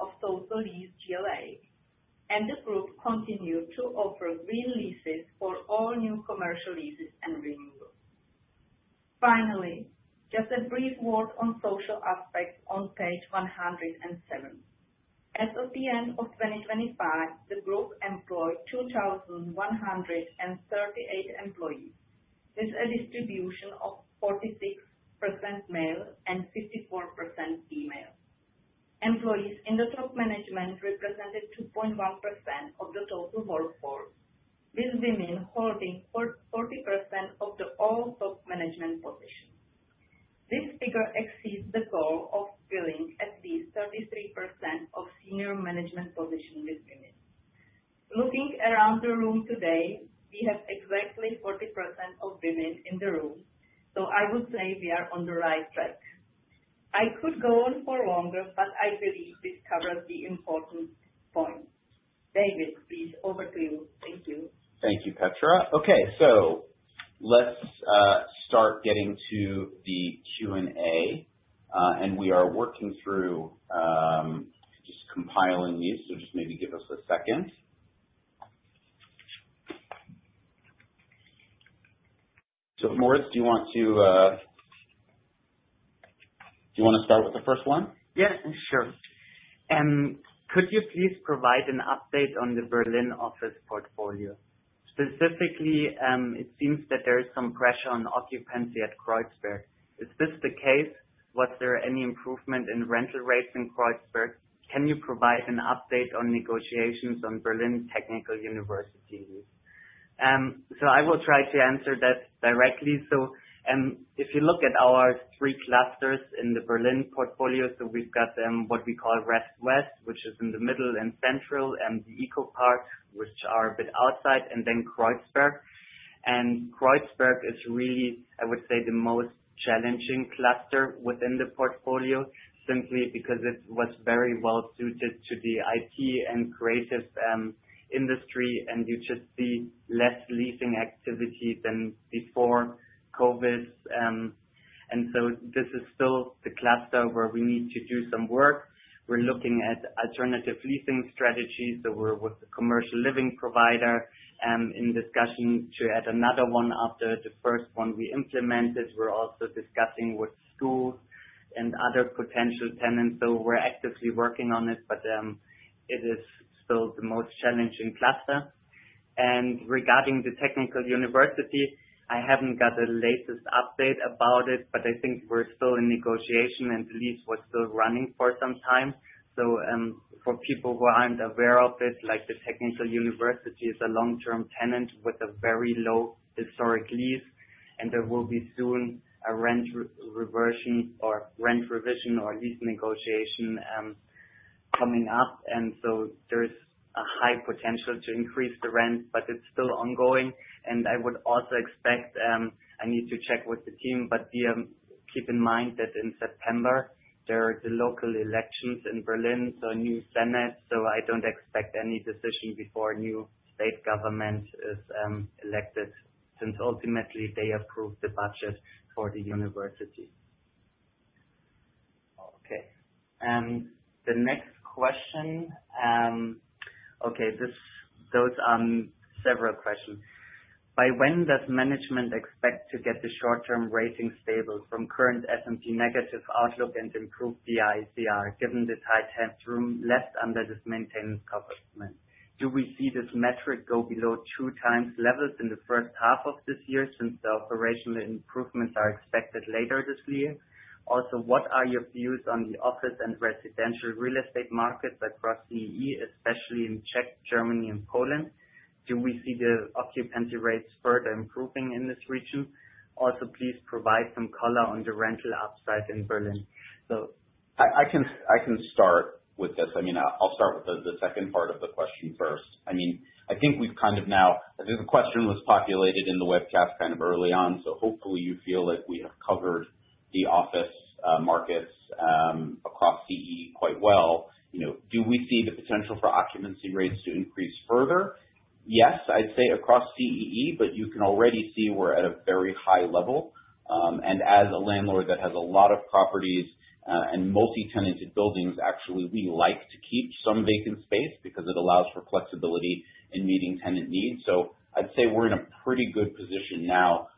of total leased GLA, and the group continued to offer green leases for all new commercial leases and renewals. Finally, just a brief word on social aspects on page 107. As of the end of 2025, the group employed 2,138 employees with a distribution of 46% male and 54% female. Employees in the top management represented 2.1% of the total workforce, with women holding 40% of all top management positions. This figure exceeds the goal of filling at least 33% of senior management positions with women. Looking around the room today, we have exactly 40% of women in the room, so I would say we are on the right track. I could go on for longer, but I believe this covers the important points. David, please over to you. Thank you. Thank you, Petra. Okay, let's start getting to the Q&A. We are working through just compiling these, so just maybe give us a second. Moritz, do you want to start with the first one? Yeah, sure. Could you please provide an update on the Berlin office portfolio? Specifically, it seems that there is some pressure on occupancy at Kreuzberg. Is this the case? Was there any improvement in rental rates in Kreuzberg? Can you provide an update on negotiations on Technische Universität Berlin lease? I will try to answer that directly. If you look at our three clusters in the Berlin portfolio, we've got what we call Westend, which is in the middle and central, and the eco parts, which are a bit outside, and then Kreuzberg. Kreuzberg is really, I would say, the most challenging cluster within the portfolio, simply because it was very well suited to the IT and creative industry, and you just see less leasing activity than before COVID. This is still the cluster where we need to do some work. We're looking at alternative leasing strategies, so we're with the commercial living provider, and in discussions to add another one after the first one we implemented. We're also discussing with schools and other potential tenants. We're actively working on it, but it is still the most challenging cluster. Regarding Technische Universität Berlin, I haven't got the latest update about it, but I think we're still in negotiation and the lease was still running for some time. For people who aren't aware of it, Technische Universität Berlin is a long-term tenant with a very low historic lease. There will be soon a rent reversion or rent revision or lease negotiation coming up, and so there's a high potential to increase the rent, but it's still ongoing. I would also expect, I need to check with the team, but keep in mind that in September, there are the local elections in Berlin. A new Senate. I don't expect any decision before new state government is elected, since ultimately they approve the budget for the university. Okay. The next question. Okay. Those are several questions. By when does management expect to get the short-term rating stable from current S&P negative outlook and improve the ICR given the tight headroom left under this maintenance covenant? Do we see this metric go below 2x levels in the first half of this year since the operational improvements are expected later this year? Also, what are your views on the office and residential real estate markets across CEE, especially in Czech, Germany and Poland? Do we see the occupancy rates further improving in this region? Also, please provide some color on the rental upside in Berlin. I can start with this. I'll start with the second part of the question first. I think we've kind of now I think the question was populated in the webcast early on, so hopefully you feel like we have covered the office markets across CEE quite well. Do we see the potential for occupancy rates to increase further? Yes, I'd say across CEE, but you can already see we're at a very high level. As a landlord that has a lot of properties, and multi-tenanted buildings, actually, we like to keep some vacant space because it allows for flexibility in meeting tenant needs. I'd say we're in a pretty good position now across CEE.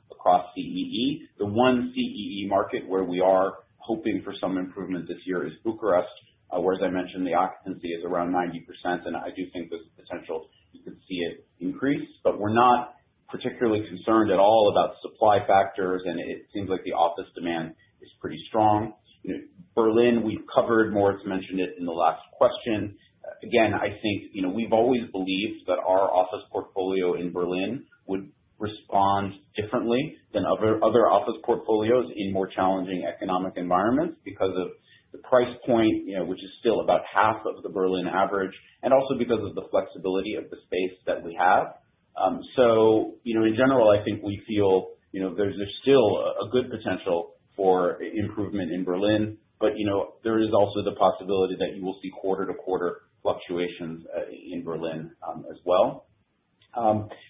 The one CEE market where we are hoping for some improvement this year is Bucharest, where as I mentioned, the occupancy is around 90%, and I do think there's potential you can see it increase. We're not particularly concerned at all about supply factors, and it seems like the office demand is pretty strong. Berlin we've covered. Moritz mentioned it in the last question. Again, I think, we've always believed that our office portfolio in Berlin would respond differently than other office portfolios in more challenging economic environments because of the price point, which is still about half of the Berlin average, and also because of the flexibility of the space that we have. In general, I think we feel there's still a good potential for improvement in Berlin. There is also the possibility that you will see quarter-to-quarter fluctuations in Berlin as well.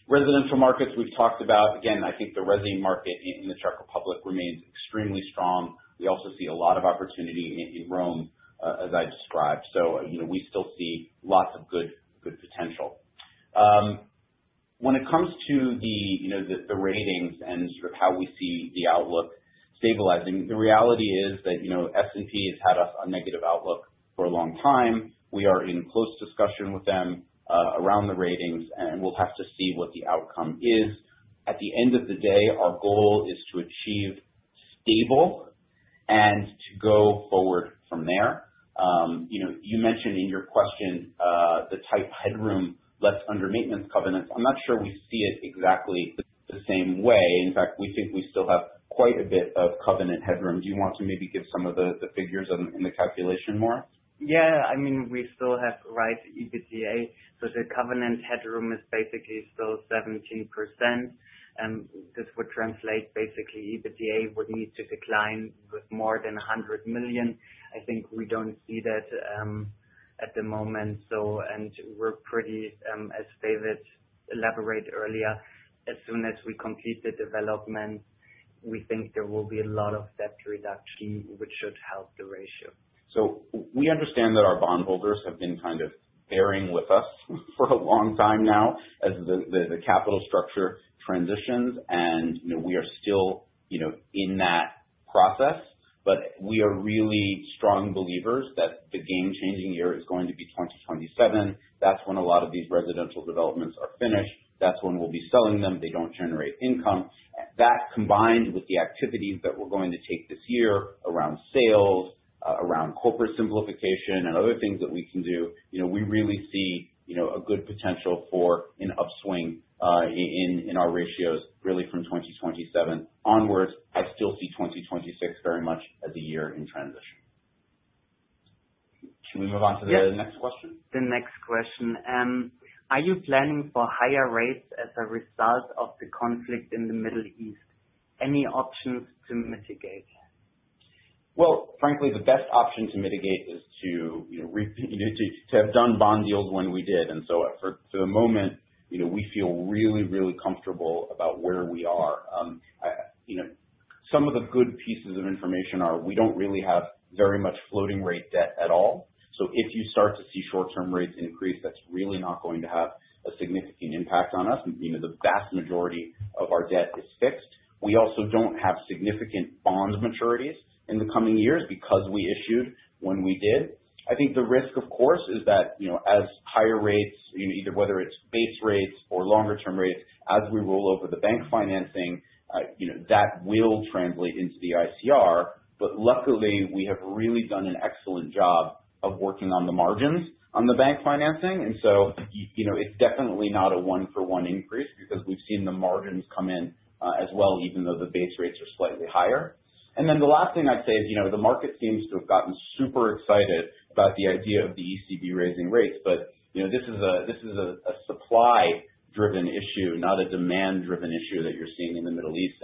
Residential markets we've talked about. Again, I think the residential market in the Czech Republic remains extremely strong. We also see a lot of opportunity in Rome, as I described. We still see lots of good potential. When it comes to the ratings and sort of how we see the outlook stabilizing, the reality is that S&P has had us on negative outlook for a long time. We are in close discussion with them around the ratings, and we'll have to see what the outcome is. At the end of the day, our goal is to achieve stable and to go forward from there. You mentioned in your question, the tight headroom left under maintenance covenants. I'm not sure we see it exactly the same way. In fact, we think we still have quite a bit of covenant headroom. Do you want to maybe give some of the figures in the calculation, Moritz? Yeah. We still have right EBITDA, so the covenant headroom is basically still 17%, and this would translate basically EBITDA would need to decline with more than 100 million. I think we don't see that at the moment. We're pretty, as David elaborated earlier, as soon as we complete the development, we think there will be a lot of debt reduction, which should help the ratio. We understand that our bondholders have been kind of bearing with us for a long time now as the capital structure transitions and we are still in that process. We are really strong believers that the game-changing year is going to be 2027. That's when a lot of these residential developments are finished. That's when we'll be selling them. They don't generate income. That combined with the activities that we're going to take this year around sales, around corporate simplification, and other things that we can do, we really see a good potential for an upswing, in our ratios really from 2027 onwards. I still see 2026 very much as a year in transition. Can we move on to the next question? Yes. The next question. Are you planning for higher rates as a result of the conflict in the Middle East? Any options to mitigate? Well, frankly, the best option to mitigate is to have done bond deals when we did. For the moment, we feel really, really comfortable about where we are. Some of the good pieces of information are we don't really have very much floating rate debt at all. If you start to see short-term rates increase, that's really not going to have a significant impact on us. The vast majority of our debt is fixed. We also don't have significant bond maturities in the coming years because we issued when we did. I think the risk, of course, is that, as higher rates, either whether it's base rates or longer-term rates, as we roll over the bank financing, that will translate into the ICR. Luckily, we have really done an excellent job of working on the margins on the bank financing. It's definitely not a one for one increase because we've seen the margins come in as well, even though the base rates are slightly higher. The last thing I'd say is, the market seems to have gotten super excited about the idea of the ECB raising rates, but this is a supply driven issue, not a demand driven issue that you're seeing in the Middle East.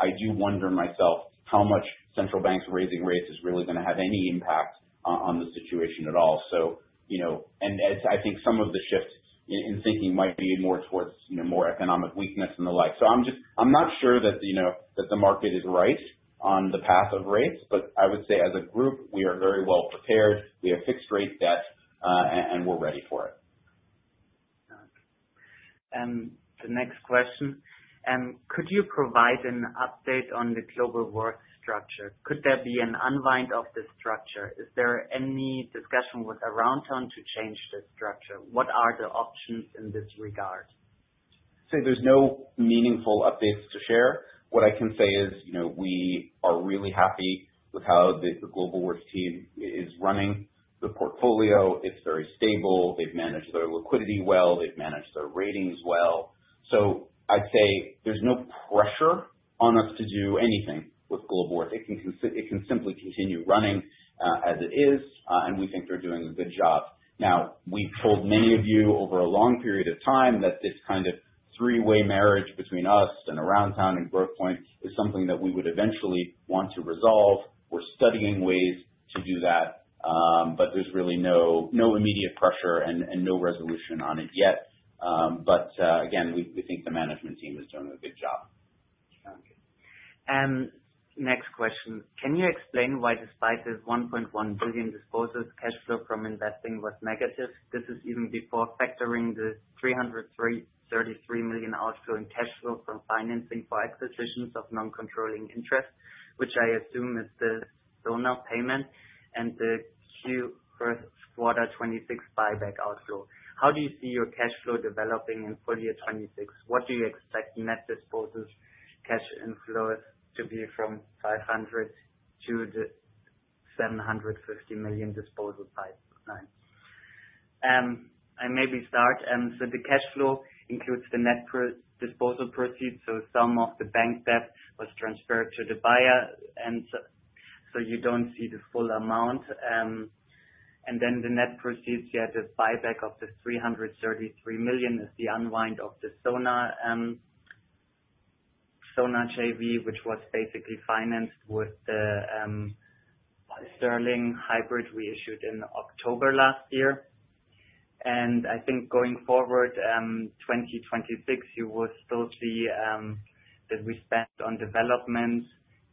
I do wonder myself how much central banks raising rates is really gonna have any impact on the situation at all. I think some of the shifts in thinking might be more towards more economic weakness and the like. I'm not sure that the market is right on the path of rates, but I would say as a group, we are very well prepared. We have fixed rate debt, and we're ready for it. The next question. Could you provide an update on the Globalworth structure? Could there be an unwind of the structure? Is there any discussion with Aroundtown to change the structure? What are the options in this regard? I'd say there's no meaningful updates to share. What I can say is, we are really happy with how the Globalworth team is running the portfolio. It's very stable. They've managed their liquidity well. They've managed their ratings well. I'd say there's no pressure on us to do anything with Globalworth. It can simply continue running, as it is, and we think they're doing a good job. Now, we've told many of you over a long period of time that this kind of three-way marriage between us and Aroundtown and Brookfield is something that we would eventually want to resolve. We're studying ways to do that, but there's really no immediate pressure and no resolution on it yet. Again, we think the management team is doing a good job. Okay. Next question. Can you explain why despite this 1.1 billion disposal, cash flow from investing was negative? This is even before factoring the $333 million outflow in cash flow from financing for acquisitions of non-controlling interest, which I assume is the Sona payment and the Q1 2026 buyback outflow. How do you see your cash flow developing in full year 2026? What do you expect net disposals cash inflows to be from 500 million-750 million disposal size? I may start. The cash flow includes the net disposal proceeds. Some of the bank debt was transferred to the buyer, and so you don't see the full amount. Then the net proceeds, you have the buyback of the $333 million is the unwind of the Sona JV, which was basically financed with the sterling hybrid we issued in October last year. I think going forward, 2026, you will still see that we spent on development,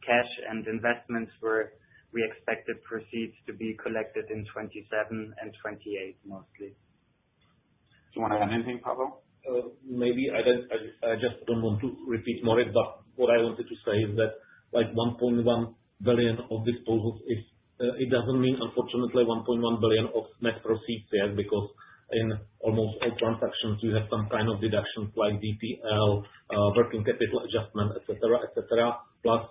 cash, and investments, where we expected proceeds to be collected in 2027 and 2028, mostly. Do you want to add anything, Pavel? Maybe. I just don't want to repeat Moritz, but what I wanted to say is that 1.1 billion of disposals, it doesn't mean unfortunately 1.1 billion of net proceeds yet because in almost all transactions you have some kind of deductions like DPL, working capital adjustment, et cetera. Plus,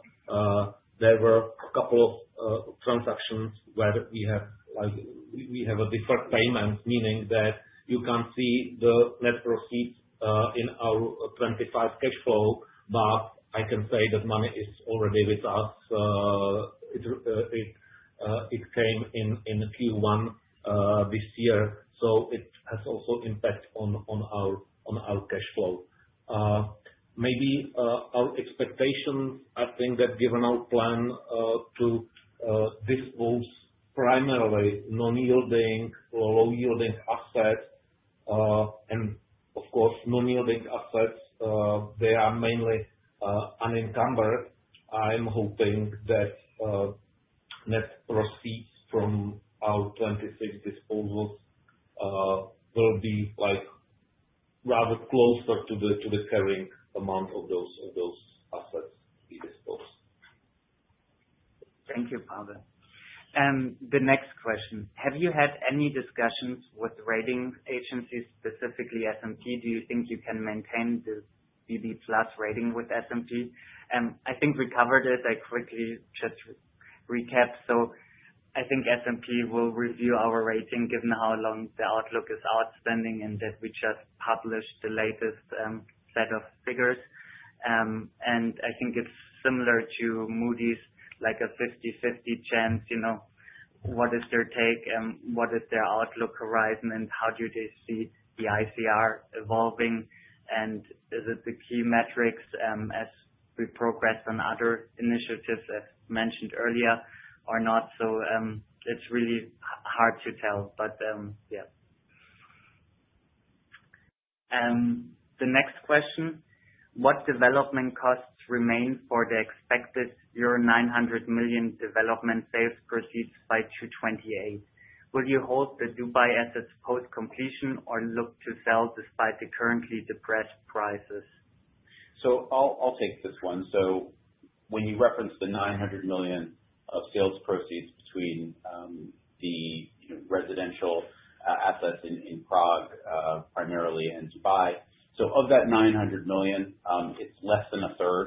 there were a couple of transactions where we have a deferred payment, meaning that you can't see the net proceeds in our 2025 cash flow. I can say that money is already with us. It came in Q1 this year, so it has also impact on our cash flow. Maybe our expectations, I think that given our plan to dispose primarily non-yielding or low-yielding assets, and of course, non-yielding assets, they are mainly unencumbered. I'm hoping that net proceeds from our 2026 disposals will be rather closer to the carrying amount of those assets we dispose. Thank you, Pavel. The next question, have you had any discussions with rating agencies, specifically S&P? Do you think you can maintain the BB+ rating with S&P? I think we covered it. I quickly just recap. I think S&P will review our rating given how long the outlook is outstanding and that we just published the latest set of figures. I think it's similar to Moody's, like a 50/50 chance. What is their take and what is their outlook horizon, and how do they see the ICR evolving? Is it the key metrics, as we progress on other initiatives as mentioned earlier or not? It's really hard to tell. Yeah. The next question, what development costs remain for the expected euro 900 million development sales proceeds by 2028? Will you hold the Dubai assets post-completion or look to sell despite the currently depressed prices? I'll take this one. When you reference the 900 million of sales proceeds between the residential assets in Prague primarily and Dubai. Of that 900 million, it's less than a 1/3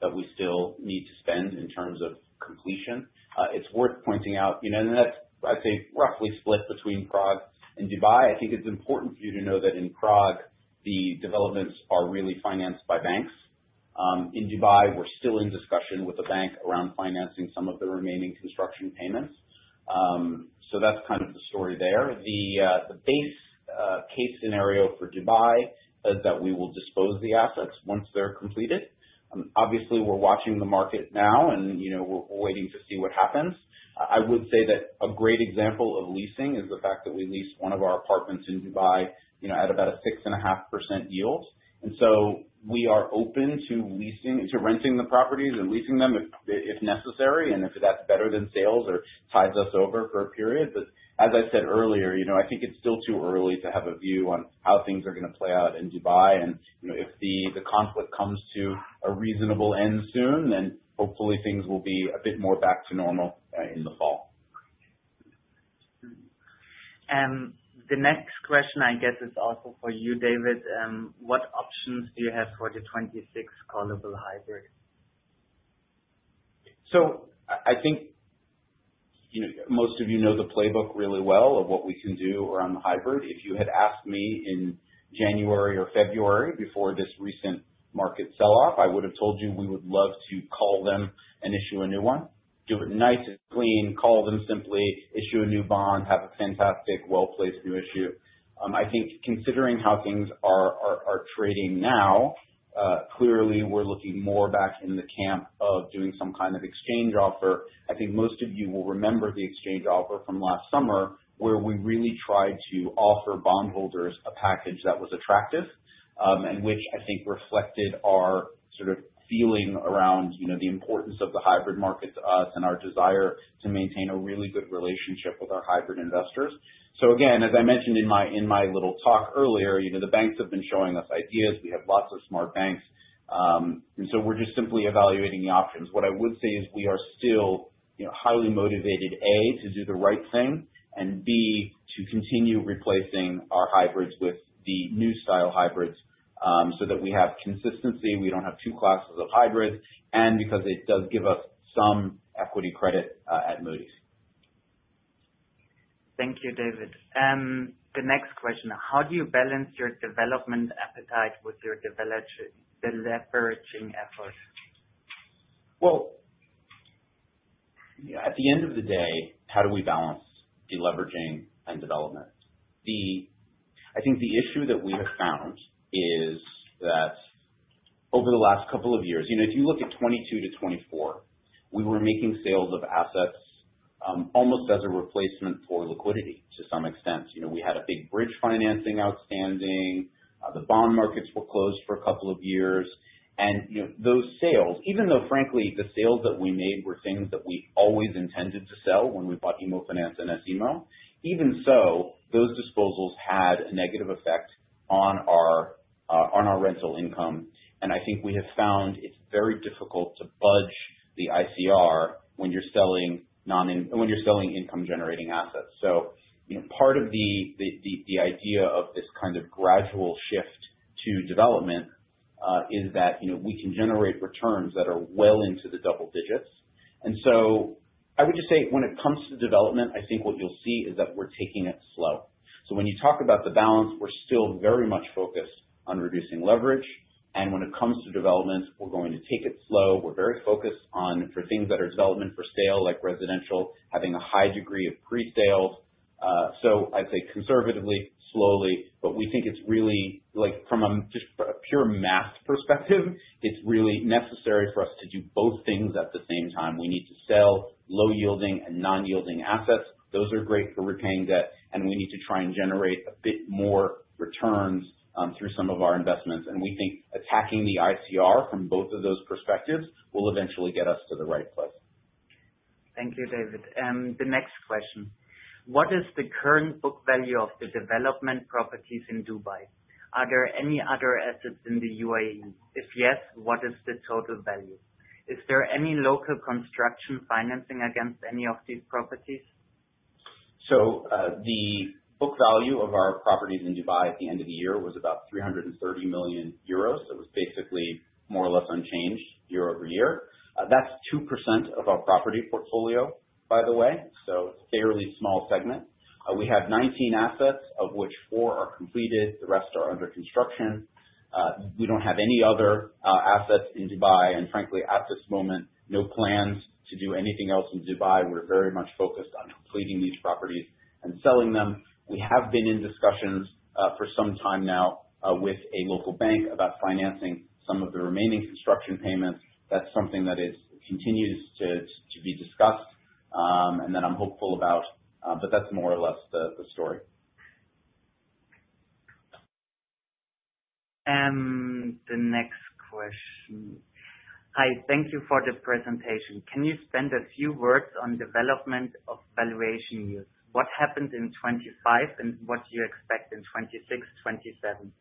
that we still need to spend in terms of completion. It's worth pointing out, and that's, I'd say, roughly split between Prague and Dubai. I think it's important for you to know that in Prague, the developments are really financed by banks. In Dubai, we're still in discussion with the bank around financing some of the remaining construction payments. That's kind of the story there. The base case scenario for Dubai is that we will dispose the assets once they're completed. Obviously, we're watching the market now and we're waiting to see what happens. I would say that a great example of leasing is the fact that we leased one of our apartments in Dubai at about a 6.5% yield. We are open to renting the properties and leasing them if necessary and if that's better than sales or tides us over for a period. As I said earlier, I think it's still too early to have a view on how things are going to play out in Dubai. If the conflict comes to a reasonable end soon, then hopefully things will be a bit more back to normal in the fall. The next question I guess is also for you, David. What options do you have for the 2026 callable hybrid? I think most of you know the playbook really well of what we can do around the hybrid. If you had asked me in January or February before this recent market sell-off, I would have told you we would love to call them and issue a new one, do it nice and clean, call them simply, issue a new bond, have a fantastic, well-placed new issue. I think considering how things are trading now, clearly we're looking more back in the camp of doing some kind of exchange offer. I think most of you will remember the exchange offer from last summer, where we really tried to offer bondholders a package that was attractive, and which I think reflected our sort of feeling around the importance of the hybrid market to us and our desire to maintain a really good relationship with our hybrid investors. Again, as I mentioned in my little talk earlier, the banks have been showing us ideas. We have lots of smart banks. We're just simply evaluating the options. What I would say is we are still highly motivated, A, to do the right thing, and B, to continue replacing our hybrids with the new style hybrids, so that we have consistency, we don't have two classes of hybrids, and because it does give us some equity credit at Moody's. Thank you, David. The next question: how do you balance your development appetite with your deleveraging effort? Well, at the end of the day, how do we balance deleveraging and development? I think the issue that we have found is that over the last couple of years, if you look at 2022 to 2024, we were making sales of assets almost as a replacement for liquidity to some extent. We had a big bridge financing outstanding. The bond markets were closed for a couple of years. Those sales, even though frankly, the sales that we made were things that we always intended to sell when we bought IMMOFINANZ and S IMMO. Even so, those disposals had a negative effect on our rental income, and I think we have found it's very difficult to budge the ICR when you're selling income-generating assets. Part of the idea of this kind of gradual shift to development is that we can generate returns that are well into the double digits. I would just say when it comes to development, I think what you'll see is that we're taking it slow. When you talk about the balance, we're still very much focused on reducing leverage. When it comes to development, we're going to take it slow. We're very focused on for things that are development for sale, like residential, having a high degree of presales. I'd say conservatively, slowly, but we think it's really from just a pure math perspective, it's really necessary for us to do both things at the same time. We need to sell low-yielding and non-yielding assets. Those are great for repaying debt, and we need to try and generate a bit more returns through some of our investments. We think attacking the ICR from both of those perspectives will eventually get us to the right place. Thank you, David. The next question: what is the current book value of the development properties in Dubai? Are there any other assets in the UAE? If yes, what is the total value? Is there any local construction financing against any of these properties? The book value of our properties in Dubai at the end of the year was about 330 million euros. It was basically more or less unchanged year-over-year. That's 2% of our property portfolio, by the way. It's a fairly small segment. We have 19 assets, of which four are completed. The rest are under construction. We don't have any other assets in Dubai, and frankly, at this moment, no plans to do anything else in Dubai. We're very much focused on completing these properties and selling them. We have been in discussions for some time now with a local bank about financing some of the remaining construction payments. That's something that continues to be discussed, and that I'm hopeful about. That's more or less the story. The next question. Hi, thank you for the presentation. Can you spare a few words on development of valuation yields? What happened in 2025 and what do you expect in 2026, 2027?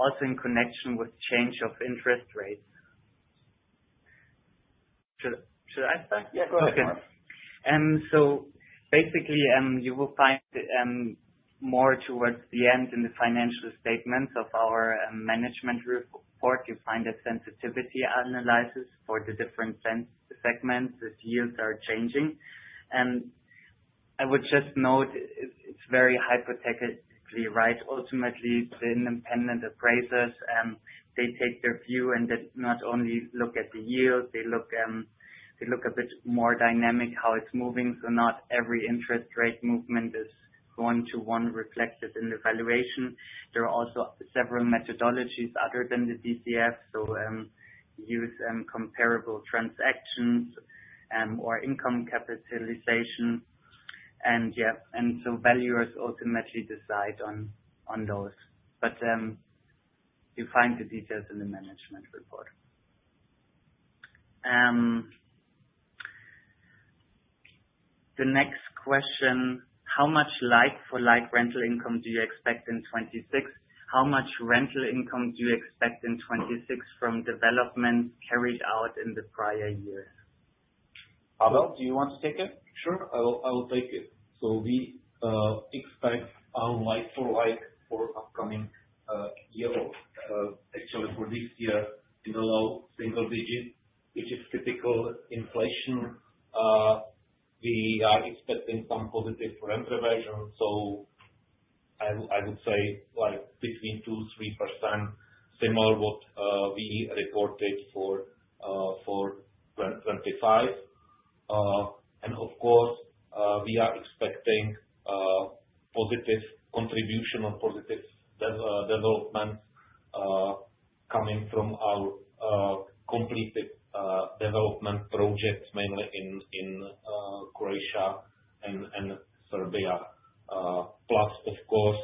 Also in connection with change of interest rates. Should I start? Yeah. Go ahead. Basically, you will find more towards the end in the financial statements of our management report. You'll find a sensitivity analysis for the different business segments as yields are changing. I would just note it's very hypothetical, right. Ultimately, the independent appraisers, they take their view and they not only look at the yield, they look a bit more dynamically at how it's moving. Not every interest rate movement is one-to-one reflected in the valuation. There are also several methodologies other than the DCF. Use comparable transactions, or income capitalization. Valuers ultimately decide on those. You'll find the details in the management report. The next question: how much like-for-like rental income do you expect in 2026? How much rental income do you expect in 2026 from development carried out in the prior years? Pavel, do you want to take it? Sure. I will take it. We expect our like for like for upcoming year, actually for this year in the low single digits, which is typical inflation. We are expecting some positive rent revision. I would say between 2%-3%, similar what we reported for 2025. Of course, we are expecting positive contribution or positive development coming from our completed development projects, mainly in Croatia and Serbia. Plus of course,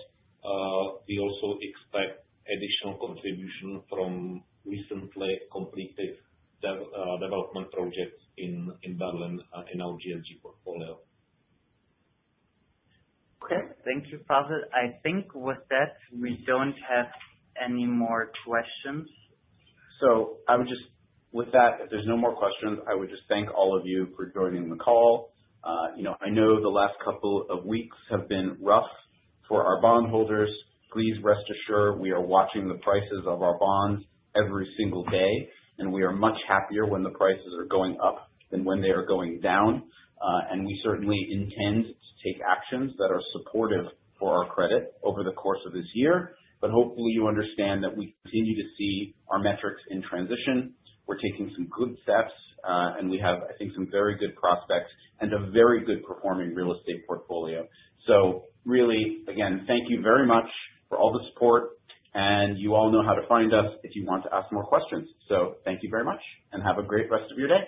we also expect additional contribution from recently completed development projects in Berlin in our GSG portfolio. Okay. Thank you, Pavel. I think with that, we don't have any more questions. With that, if there's no more questions, I would just thank all of you for joining the call. I know the last couple of weeks have been rough for our bondholders. Please rest assured we are watching the prices of our bonds every single day, and we are much happier when the prices are going up than when they are going down. We certainly intend to take actions that are supportive for our credit over the course of this year. Hopefully you understand that we continue to see our metrics in transition. We're taking some good steps. We have, I think some very good prospects and a very good performing real estate portfolio. Really, again, thank you very much for all the support, and you all know how to find us if you want to ask more questions. Thank you very much, and have a great rest of your day.